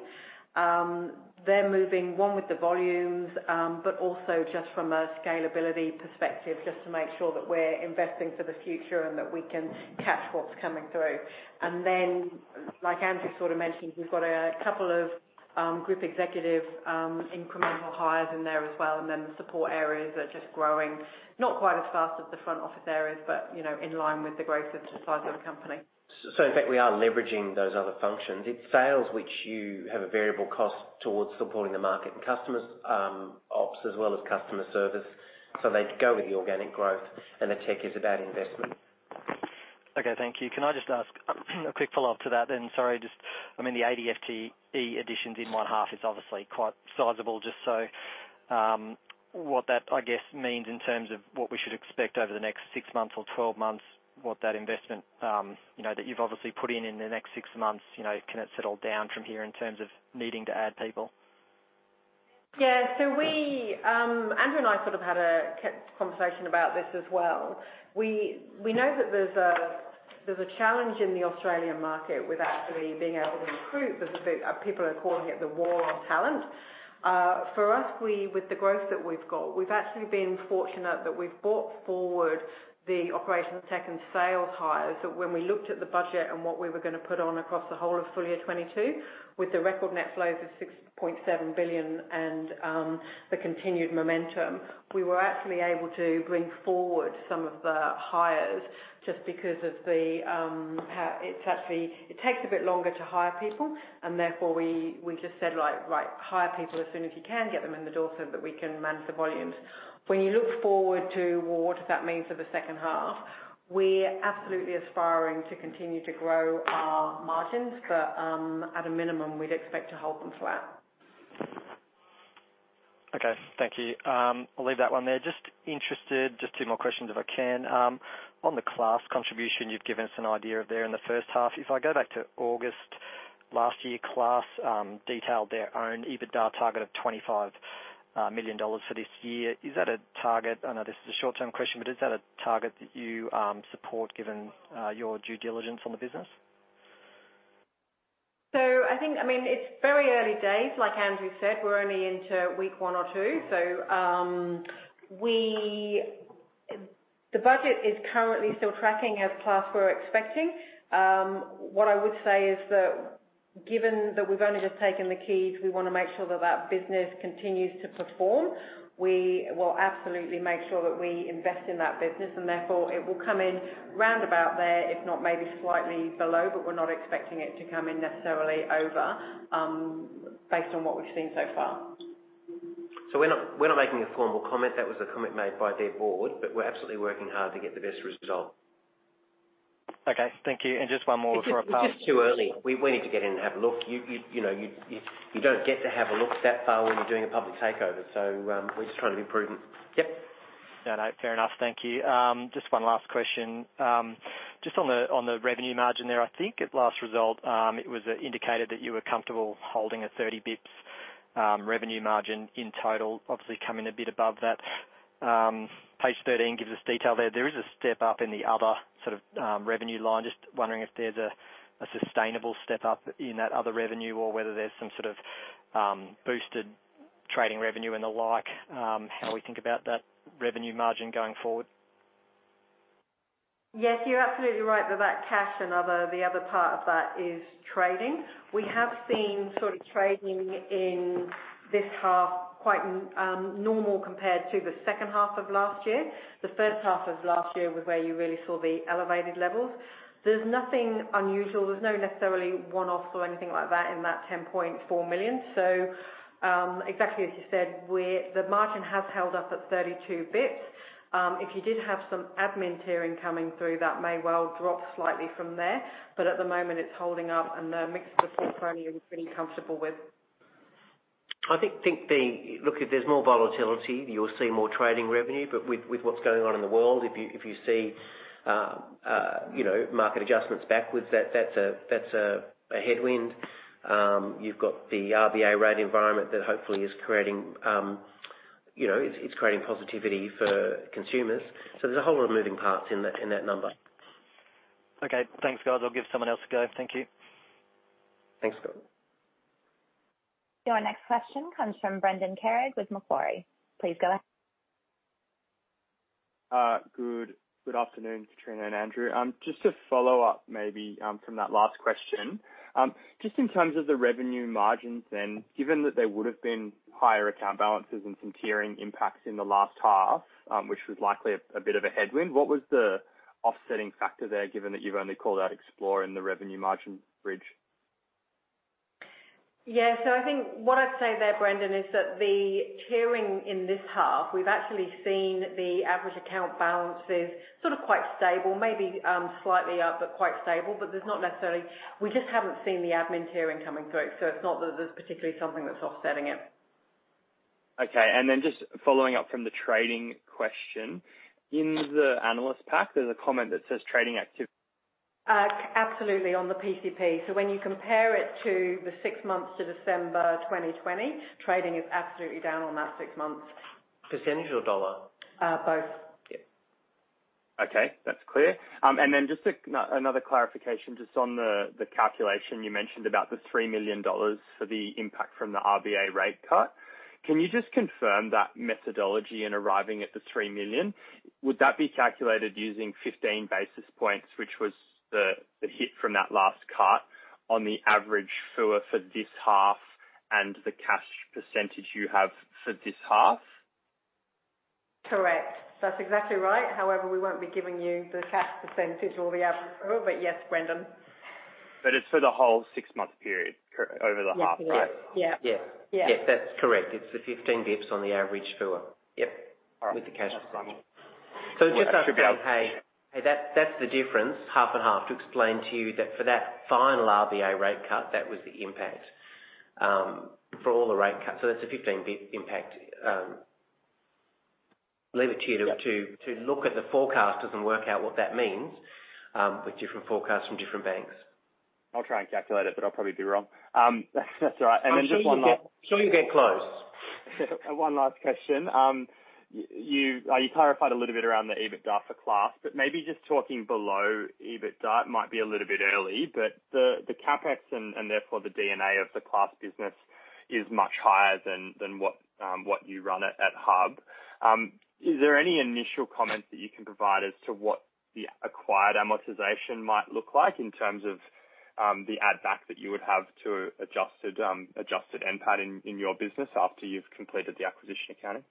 They're moving along with the volumes, but also just from a scalability perspective, just to make sure that we're investing for the future and that we can catch what's coming through. Like Andrew sort of mentioned, we've got a couple of group executive incremental hires in there as well. The support areas are just growing, not quite as fast as the front office areas, but you know, in line with the growth and size of the company. In fact, we are leveraging those other functions. It's sales which you have a variable cost towards supporting the market and customers, ops as well as customer service. They go with the organic growth and the tech is about investment. Okay, thank you. Can I just ask a quick follow-up to that then? Sorry, just I mean, the 80 FTE additions in one half is obviously quite sizable. Just so, what that, I guess, means in terms of what we should expect over the next 6 months or 12 months, what that investment, you know, that you've obviously put in in the next 6 months, you know, can it settle down from here in terms of needing to add people? We, Andrew and I sort of had a conversation about this as well. We know that there's a challenge in the Australian market with actually being able to recruit. People are calling it the war on talent. For us, with the growth that we've got, we've actually been fortunate that we've brought forward the operations tech and sales hires. When we looked at the budget and what we were gonna put on across the whole of full year 2022, with the record net flows of 6.7 billion and the continued momentum, we were actually able to bring forward some of the hires just because of how it's actually. It takes a bit longer to hire people and therefore we just said like, "Right, hire people as soon as you can in the door so that we can manage the volumes." When you look forward to what does that mean for the second half, we're absolutely aspiring to continue to grow our margins, but at a minimum, we'd expect to hold them flat. Okay, thank you. I'll leave that one there. Just interested, just two more questions if I can. On the Class contribution, you've given us an idea of their in the first half. If I go back to August last year, Class detailed their own EBITDA target of 25 million dollars for this year. Is that a target? I know this is a short-term question, but is that a target that you support given your due diligence on the business? I think, I mean, it's very early days. Like Andrew said, we're only into week one or two. The budget is currently still tracking as Class were expecting. What I would say is that given that we've only just taken the keys, we wanna make sure that that business continues to perform. We will absolutely make sure that we invest in that business, and therefore, it will come in round about there, if not maybe slightly below, but we're not expecting it to come in necessarily over, based on what we've seen so far. We're not making a formal comment. That was a comment made by their board, but we're absolutely working hard to get the best result. Okay, thank you. Just one more before I pass. It's just too early. We need to get in and have a look. You know, you don't get to have a look that far when you're doing a public takeover. We're just trying to be prudent. Yep. No, no, fair enough. Thank you. Just one last question. Just on the revenue margin there, I think at last result, it was indicated that you were comfortable holding a 30 bps revenue margin in total, obviously coming a bit above that. Page 13 gives us detail there. There is a step-up in the other sort of revenue line. Just wondering if there's a sustainable step up in that other revenue or whether there's some sort of boosted trading revenue and the like, how we think about that revenue margin going forward. Yes, you're absolutely right about cash and other. The other part of that is trading. We have seen sort of trading in this half quite normal compared to the second half of last year. The first half of last year was where you really saw the elevated levels. There's nothing unusual. There's nothing necessarily one-off or anything like that in that 10.4 million. So, exactly as you said, the margin has held up at 32 basis points. If you did have some admin tiering coming through, that may well drop slightly from there. But at the moment, it's holding up and the mix of the FUA premium we're pretty comfortable with. I think. Look, if there's more volatility, you'll see more trading revenue, but with what's going on in the world, if you see, you know, market adjustments backwards, that's a headwind. You've got the RBA rate environment that hopefully is creating, you know, it's creating positivity for consumers. There's a whole lot of moving parts in that number. Okay. Thanks, guys. I'll give someone else a go. Thank you. Thanks, Scott. Your next question comes from Brendan Kerr with Macquarie. Please go ahead. Good afternoon, Kitrina and Andrew. Just to follow up maybe from that last question. Just in terms of the revenue margins then, given that there would've been higher account balances and some tiering impacts in the last half, which was likely a bit of a headwind, what was the offsetting factor there, given that you've only called out Xplore in the revenue margin bridge? I think what I'd say there, Brendan, is that the tiering in this half, we've actually seen the average account balances sort of quite stable, maybe, slightly up, but quite stable. But there's not necessarily, we just haven't seen the admin tiering coming through. It's not that there's particularly something that's offsetting it. Okay. Just following up from the trading question. In the analyst pack, there's a comment that says trading activ- Absolutely on the PCP. When you compare it to the six months to December 2020, trading is absolutely down on that six months. Percentage or dollar? Both. Yeah. Okay, that's clear. Just another clarification just on the calculation. You mentioned about the 3 million dollars for the impact from the RBA rate cut. Can you just confirm that methodology in arriving at the 3 million? Would that be calculated using 15 basis points, which was the hit from that last cut on the average FUA for this half and the cash percentage you have for this half? Correct. That's exactly right. However, we won't be giving you the cash percentage or the average FUA, but yes, Brendan. It's for the whole six-month period over the half, right? Yes. Yeah. Yeah. Yeah. Yes, that's correct. It's the 15 bps on the average FUA. Yep. All right. With the cash flow. It's just us saying, hey, that's the difference, half and half, to explain to you that for that final RBA rate cut, that was the impact, for all the rate cuts. That's a 15 bps impact. Leave it to you to- Yep. To look at the forecasters and work out what that means, with different forecasts from different banks. I'll try and calculate it, but I'll probably be wrong. That's all right. Just one last I'm sure you'll get close. One last question. You clarified a little bit around the EBITDA for Class, maybe just talking below EBITDA, it might be a little bit early, but the CapEx and therefore the DNA of the Class business is much higher than what you run at Hub. Is there any initial comment that you can provide as to what the acquired amortization might look like in terms of the add back that you would have to add to adjusted NPAT in your business after you've completed the acquisition accounting?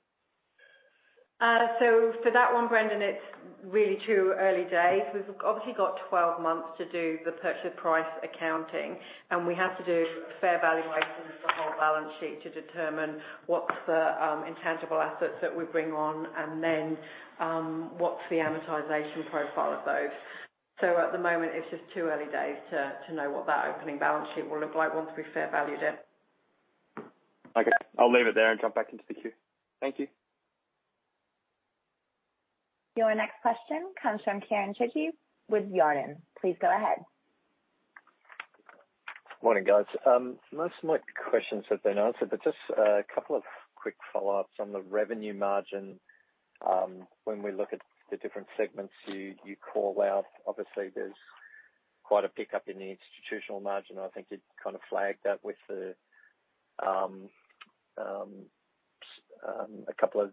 For that one, Brendan, it's really too early days. We've obviously got 12 months to do the purchase price accounting, and we have to do fair value items for whole balance sheet to determine what's the intangible assets that we bring on and then what's the amortization profile of those. At the moment, it's just too early days to know what that opening balance sheet will look like once we fair value that. Okay. I'll leave it there and jump back into the queue. Thank you. Your next question comes from Kieran Chidgey with Barrenjoey. Please go ahead. Morning, guys. Most of my questions have been answered, but just a couple of quick follow-ups on the revenue margin. When we look at the different segments you call out, obviously there's quite a pickup in the institutional margin. I think you kind of flagged that with a couple of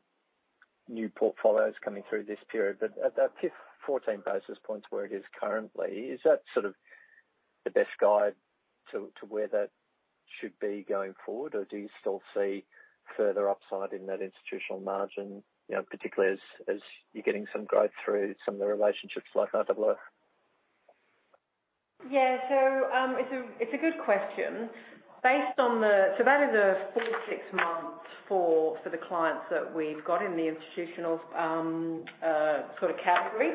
new portfolios coming through this period. At 14 basis points where it is currently, is that sort of the best guide to where that should be going forward? Or do you still see further upside in that institutional margin, you know, particularly as you're getting some growth through some of the relationships like AMP? Yeah. It's a good question. That is a full six months for the clients that we've got in the institutional sort of category.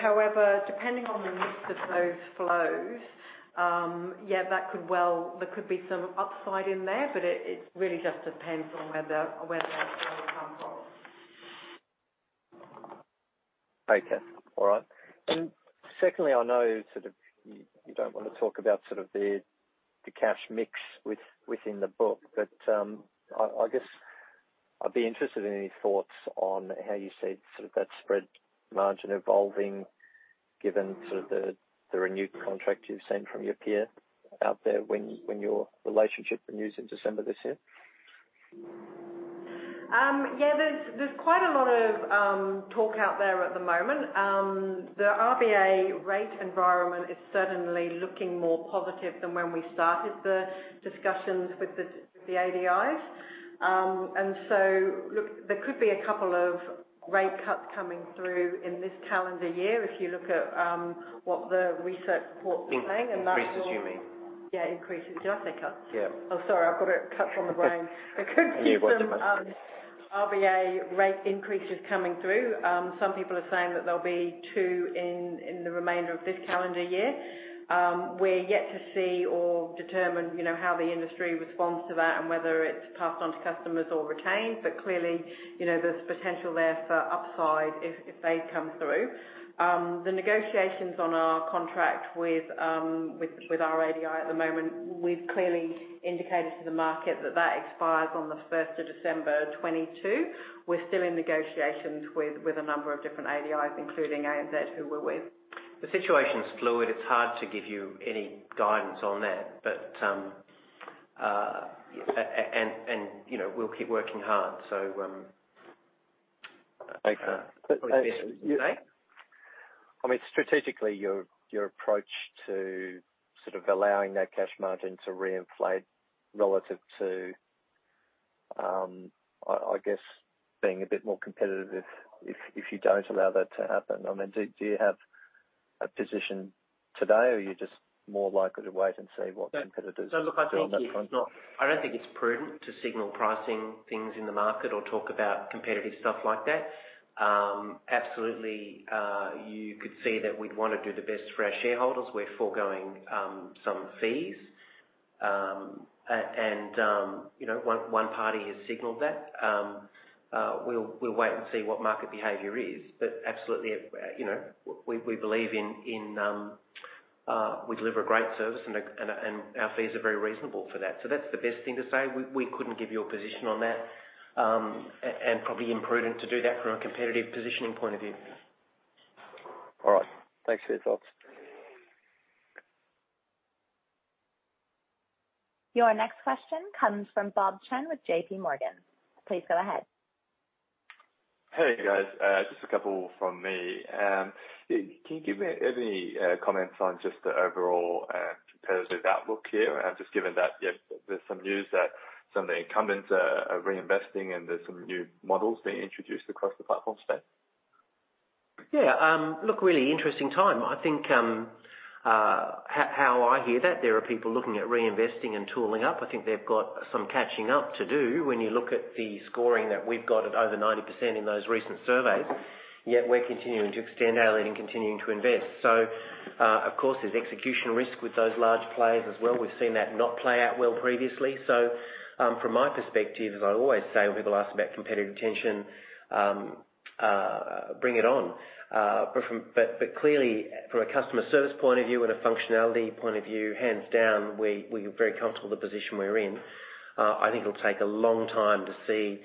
However, depending on the mix of those flows, that could well, there could be some upside in there, but it really just depends on where that flow comes from. Secondly, I know sort of you don't wanna talk about sort of the cash mix within the book, but I guess I'd be interested in any thoughts on how you see sort of that spread margin evolving given sort of the renewed contract you've seen from your peer out there when your relationship renews in December this year. Yeah, there's quite a lot of talk out there at the moment. The RBA rate environment is certainly looking more positive than when we started the discussions with the ADIs. Look, there could be a couple of rate cuts coming through in this calendar year if you look at what the research reports are saying and that. Increases, you mean? Yeah, increases. Did I say cuts? Yeah. Oh, sorry. I've got it, cuts on the brain. No, you're right. There could be some RBA rate increases coming through. Some people are saying that there'll be two in the remainder of this calendar year. We're yet to see or determine, you know, how the industry responds to that and whether it's passed on to customers or retained. Clearly, you know, there's potential there for upside if they come through. The negotiations on our contract with our ADI at the moment, we've clearly indicated to the market that that expires on the first of December 2022. We're still in negotiations with a number of different ADIs, including ANZ, who we're with. The situation is fluid. It's hard to give you any guidance on that. You know, we'll keep working hard. Okay. What's the best thing to say? I mean, strategically, your approach to sort of allowing that cash margin to re-inflate relative to, I guess, being a bit more competitive if you don't allow that to happen. I mean, do you have a position today or are you just more likely to wait and see what competitors? Look, I think it's not. Do on that front. I don't think it's prudent to signal pricing things in the market or talk about competitive stuff like that. Absolutely, you could see that we'd wanna do the best for our shareholders. We're foregoing some fees. You know, one party has signaled that. We'll wait and see what market behavior is. Absolutely, you know, we believe we deliver a great service and our fees are very reasonable for that. That's the best thing to say. We couldn't give you a position on that and probably imprudent to do that from a competitive positioning point of view. All right. Thanks for your thoughts. Your next question comes from Bob Chen with J.P. Morgan. Please go ahead. Hey, guys. Just a couple from me. Can you give me any comments on just the overall competitive outlook here? Just given that, yes, there's some news that some of the incumbents are reinvesting and there's some new models being introduced across the platform space. Yeah. Look, really interesting time. I think, as I hear that there are people looking at reinvesting and tooling up. I think they've got some catching up to do when you look at the scoring that we've got at over 90% in those recent surveys, yet we're continuing to extend our lead and continuing to invest. Of course, there's execution risk with those large players as well. We've seen that not play out well previously. From my perspective, as I always say when people ask about competitive tension, bring it on. Clearly from a customer service point of view and a functionality point of view, hands down, we are very comfortable the position we're in. I think it'll take a long time to see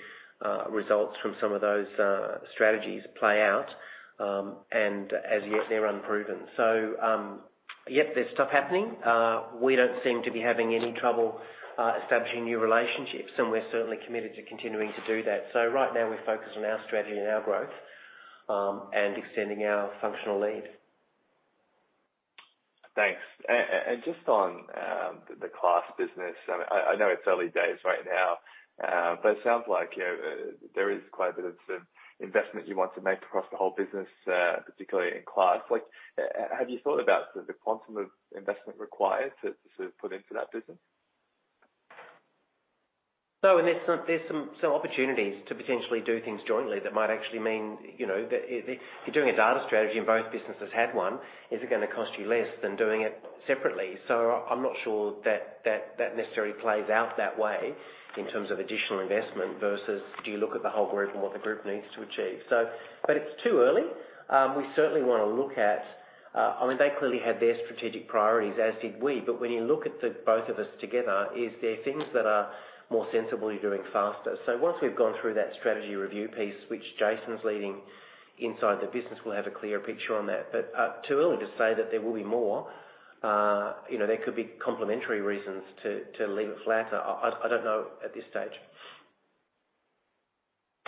results from some of those strategies play out, and as yet they're unproven. Yep, there's stuff happening. We don't seem to be having any trouble establishing new relationships, and we're certainly committed to continuing to do that. Right now we're focused on our strategy and our growth, and extending our functional lead. Thanks. Just on the Class business, I mean, I know it's early days right now, but it sounds like, you know, there is quite a bit of sort of investment you want to make across the whole business, particularly in Class. Like, have you thought about the quantum of investment required to put into that business? there's some sort of opportunities to potentially do things jointly that might actually mean, you know, that if you're doing a data strategy and both businesses had one, is it gonna cost you less than doing it separately? I'm not sure that that necessarily plays out that way in terms of additional investment versus do you look at the whole group and what the group needs to achieve. it's too early. we certainly wanna look at. I mean, they clearly had their strategic priorities, as did we. when you look at the both of us together, is there things that are more sensibly doing faster? once we've gone through that strategy review piece, which Jason's leading inside the business, we'll have a clearer picture on that. too early to say that there will be more. You know, there could be complementary reasons to leave it flatter. I don't know at this stage.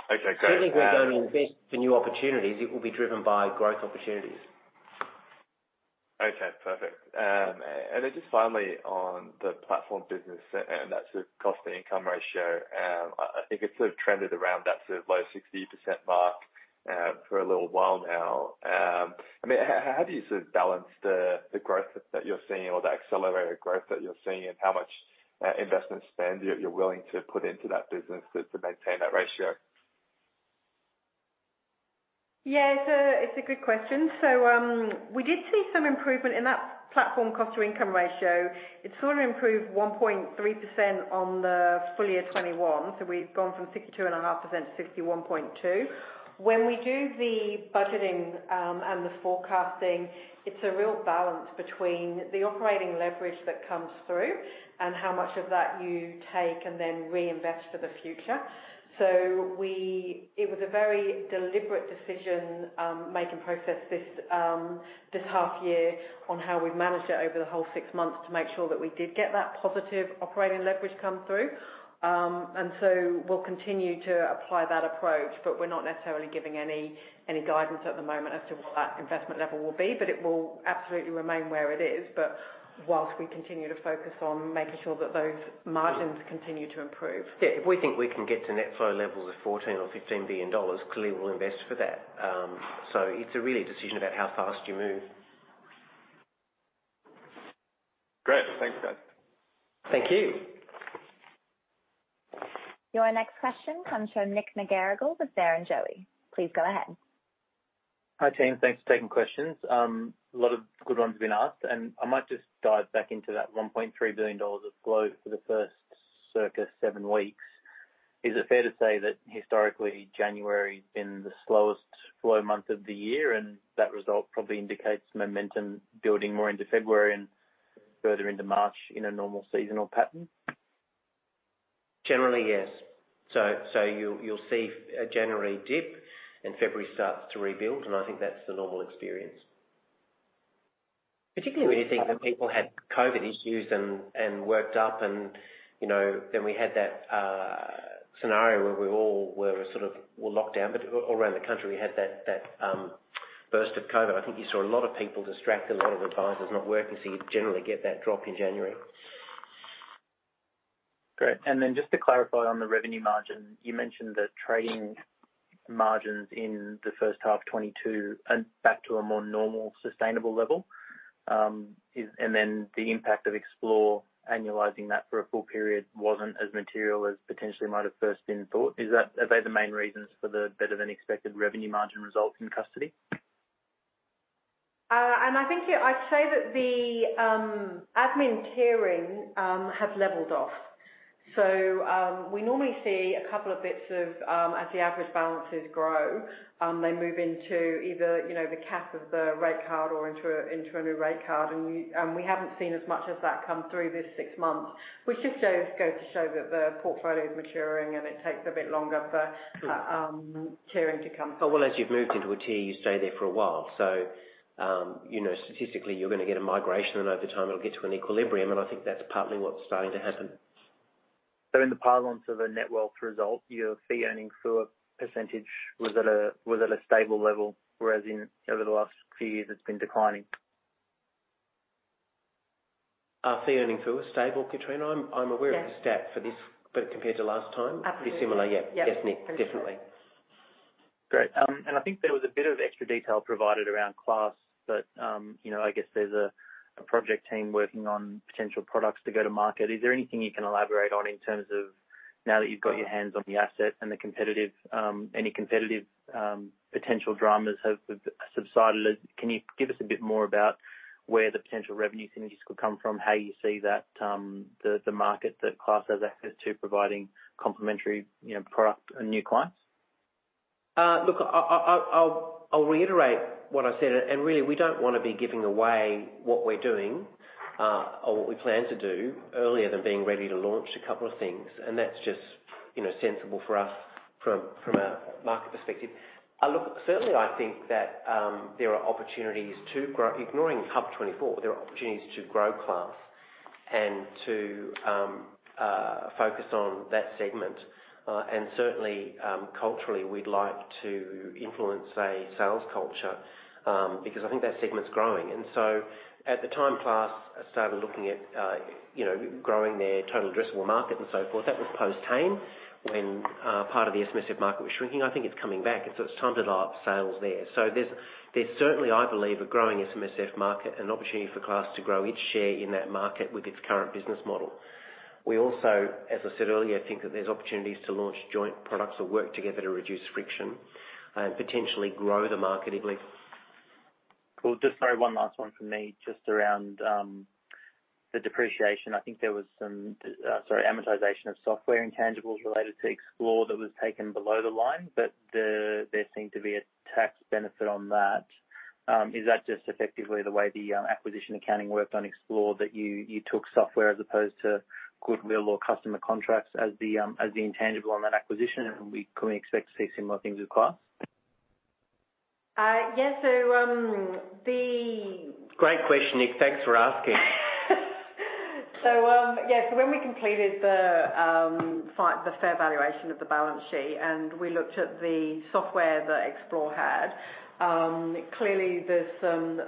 Okay, great. Certainly, if we're going to invest for new opportunities, it will be driven by growth opportunities. Okay, perfect. Just finally on the platform business and that sort of cost-to-income ratio, I think it's sort of trended around that sort of low 60% mark for a little while now. I mean, how do you sort of balance the growth that you're seeing or the accelerated growth that you're seeing and how much investment spend you're willing to put into that business to maintain that ratio? It's a good question. We did see some improvement in that platform cost-to-income ratio. It sort of improved 1.3% on the full year 2021, so we've gone from 62.5% to 61.2%. When we do the budgeting and the forecasting, it's a real balance between the operating leverage that comes through and how much of that you take and then reinvest for the future. It was a very deliberate decision making process this half year on how we've managed it over the whole six months to make sure that we did get that positive operating leverage come through. We'll continue to apply that approach, but we're not necessarily giving any guidance at the moment as to what that investment level will be. It will absolutely remain where it is. While we continue to focus on making sure that those margins continue to improve. Yeah. If we think we can get to net flow levels of 14 billion-15 billion dollars, clearly we'll invest for that. It's a real decision about how fast you move. Great. Thanks, guys. Thank you. Your next question comes from Nicholas McGarrigle with Barrenjoey. Please go ahead. Hi, team. Thanks for taking questions. A lot of good ones have been asked, and I might just dive back into that 1.3 billion dollars of flow for the first six or seven weeks. Is it fair to say that historically, January has been the slowest flow month of the year, and that result probably indicates momentum building more into February and further into March in a normal seasonal pattern? Generally, yes. You'll see a January dip and February starts to rebuild, and I think that's the normal experience. Particularly when you think that people had COVID issues and worked up and, you know, then we had that scenario where we all were sort of, well, locked down, but all around the country we had that burst of COVID. I think you saw a lot of people distracted, a lot of advisors not working, so you generally get that drop in January. Great. Just to clarify on the revenue margin, you mentioned that trading margins in the first half 2022 are back to a more normal sustainable level. The impact of Xplore annualizing that for a full period wasn't as material as potentially might have first been thought. Are they the main reasons for the better-than-expected revenue margin results in custody? I think I'd say that the admin tiering has leveled off. We normally see a couple of bps, as the average balances grow, they move into either, you know, the cap of the rate card or into a new rate card. We haven't seen as much of that come through this six months, which just goes to show that the portfolio is maturing and it takes a bit longer for tiering to come through. Well, as you've moved into a tier, you stay there for a while. You know, statistically you're gonna get a migration and over time it'll get to an equilibrium, and I think that's partly what's starting to happen. In the parlance of a Netwealth result, your fee earning FUA percentage was at a stable level, whereas over the last few years it's been declining. Our fee earning FUA is stable, Katrina. I'm aware- Yes. of the stat for this, but compared to last time. Absolutely. Pretty similar. Yeah. Yep. Yes, Nick. Definitely. Great. I think there was a bit of extra detail provided around Class, but, you know, I guess there's a project team working on potential products to go to market. Is there anything you can elaborate on in terms of now that you've got your hands on the asset and any competitive potential dramas have subsided? Can you give us a bit more about where the potential revenue synergies could come from, how you see that, the market that Class has access to providing complementary, you know, product and new clients? Look, I'll reiterate what I said, and really, we don't wanna be giving away what we're doing or what we plan to do earlier than being ready to launch a couple of things. That's just, you know, sensible for us from a market perspective. Look, certainly I think that there are opportunities to grow. Ignoring HUB24, there are opportunities to grow Class and to focus on that segment. Certainly, culturally, we'd like to influence a sales culture because I think that segment's growing. At the time Class started looking at, you know, growing their total addressable market and so forth, that was post-Hayne when part of the SMSF market was shrinking. I think it's coming back, and so it's time to dial up sales there. There's certainly, I believe, a growing SMSF market and an opportunity for Class to grow its share in that market with its current business model. We also, as I said earlier, think that there's opportunities to launch joint products or work together to reduce friction, and potentially grow the market, I believe. Cool. Just one last one from me, just around the depreciation. I think there was some amortization of software intangibles related to Xplore that was taken below the line, but there seemed to be a tax benefit on that. Is that just effectively the way the acquisition accounting worked on Xplore that you took software as opposed to goodwill or customer contracts as the intangible on that acquisition? Can we expect to see similar things with Class? Yes. Great question, Nick. Thanks for asking. When we completed the fair valuation of the balance sheet and we looked at the software that Xplore had, clearly there's some,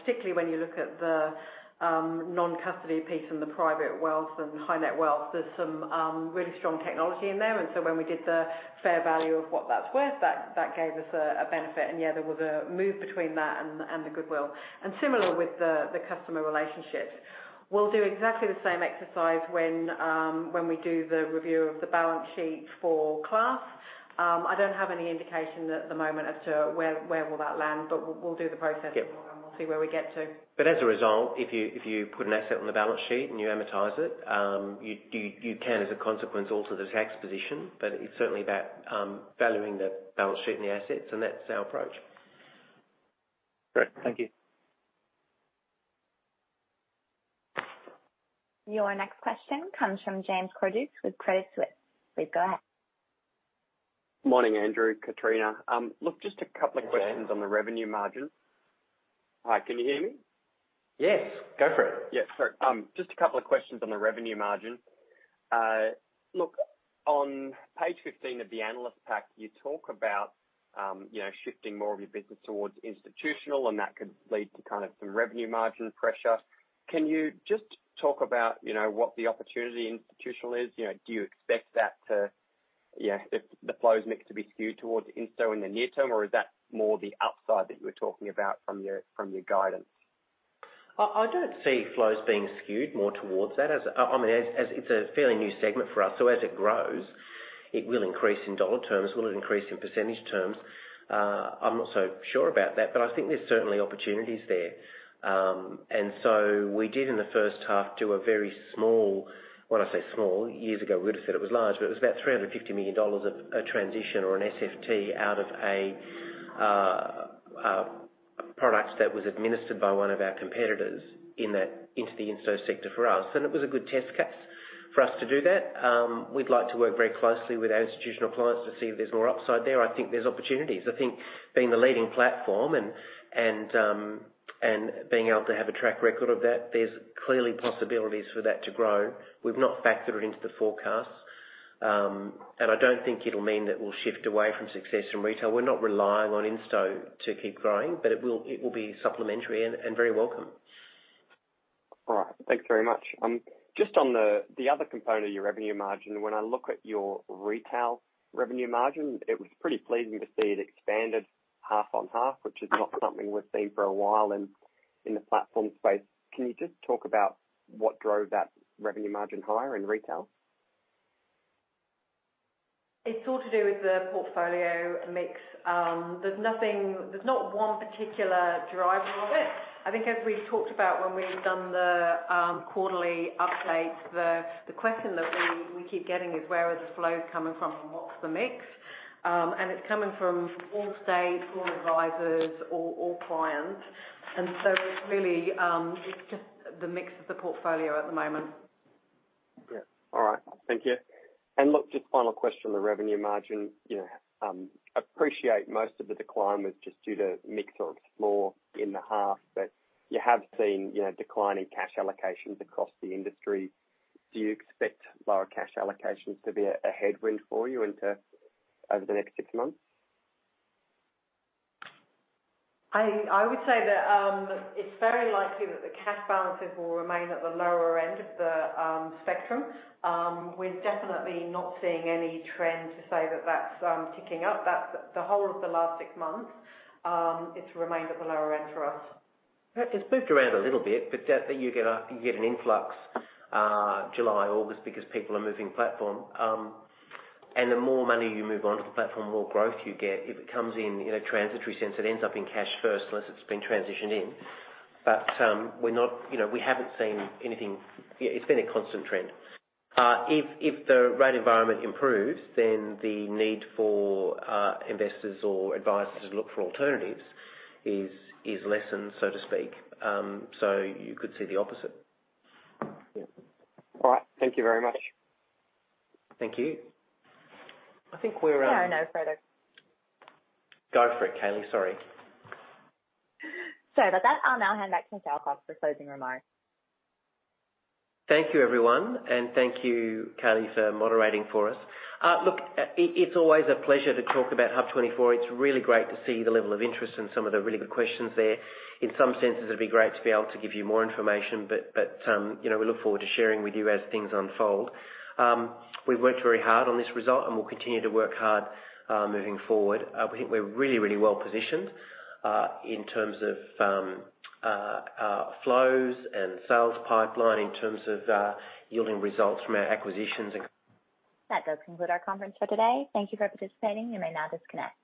particularly when you look at the non-custody piece and the private wealth and high net worth, there's some really strong technology in there. When we did the fair value of what that's worth, that gave us a benefit. Yeah, there was a move between that and the goodwill. Similar with the customer relationship. We'll do exactly the same exercise when we do the review of the balance sheet for Class. I don't have any indication at the moment as to where that will land, but we'll do the process. Yeah. We'll see where we get to. As a result, if you put an asset on the balance sheet and you amortize it, you can, as a consequence, alter the tax position. It's certainly about valuing the balance sheet and the assets, and that's our approach. Great. Thank you. Your next question comes from James Cordukes with Credit Suisse. Please go ahead. Morning, Andrew, Katrina. Look, just a couple of questions. Good day. on the revenue margin. Hi, can you hear me? Yes, go for it. Yeah, sorry. Just a couple of questions on the revenue margin. Look, on page 15 of the analyst pack, you talk about, you know, shifting more of your business towards institutional, and that could lead to kind of some revenue margin pressure. Can you just talk about, you know, what the opportunity in institutional is? You know, do you expect that to, you know, if the flows mix to be skewed towards insto in the near term, or is that more the upside that you were talking about from your guidance? I don't see flows being skewed more towards that. I mean, as it's a fairly new segment for us, so as it grows, it will increase in dollar terms. Will it increase in percentage terms? I'm not so sure about that, but I think there's certainly opportunities there. We did in the first half do a very small. When I say small, years ago, we would have said it was large, but it was about 350 million dollars of a transition or an SMA out of a products that was administered by one of our competitors in that into the insto sector for us, and it was a good test case for us to do that. We'd like to work very closely with our institutional clients to see if there's more upside there. I think there's opportunities. I think being the leading platform and being able to have a track record of that, there's clearly possibilities for that to grow. We've not factored it into the forecast. I don't think it'll mean that we'll shift away from success in retail. We're not relying on insto to keep growing, but it will be supplementary and very welcome. All right. Thanks very much. Just on the other component of your revenue margin, when I look at your retail revenue margin, it was pretty pleasing to see it expanded half on half, which is not something we've seen for a while in the platform space. Can you just talk about what drove that revenue margin higher in retail? It's all to do with the portfolio mix. There's nothing, there's not one particular driver of it. I think as we've talked about when we've done the quarterly updates, the question that we keep getting is where are the flows coming from and what's the mix? It's coming from all estates, all advisors, all clients. It's really just the mix of the portfolio at the moment. Yeah. All right. Thank you. Look, just final question on the revenue margin. You know, appreciate most of the decline was just due to mix of Xplore in the half. But you have seen, you know, decline in cash allocations across the industry. Do you expect lower cash allocations to be a headwind for you into over the next six months? I would say that it's very likely that the cash balances will remain at the lower end of the spectrum. We're definitely not seeing any trend to say that that's ticking up. That's the whole of the last six months. It's remained at the lower end for us. It's moved around a little bit, but definitely you get an influx in July, August, because people are moving platform. The more money you move onto the platform, the more growth you get. If it comes in a transitory sense, it ends up in cash first, unless it's been transitioned in. We're not, you know, we haven't seen anything. Yeah, it's been a constant trend. If the rate environment improves, then the need for investors or advisors to look for alternatives is lessened, so to speak. You could see the opposite. Yeah. All right. Thank you very much. Thank you. I think we're Yeah, no, Fredo. Go for it, Kaylee, sorry. With that, I'll now hand back to Sal for his closing remarks. Thank you, everyone. Thank you, Kaylee, for moderating for us. It's always a pleasure to talk about HUB24. It's really great to see the level of interest and some of the really good questions there. In some senses, it'd be great to be able to give you more information, but you know, we look forward to sharing with you as things unfold. We've worked very hard on this result, and we'll continue to work hard moving forward. We think we're really well positioned in terms of flows and sales pipeline, in terms of yielding results from our acquisitions and- That does conclude our conference for today. Thank you for participating. You may now disconnect.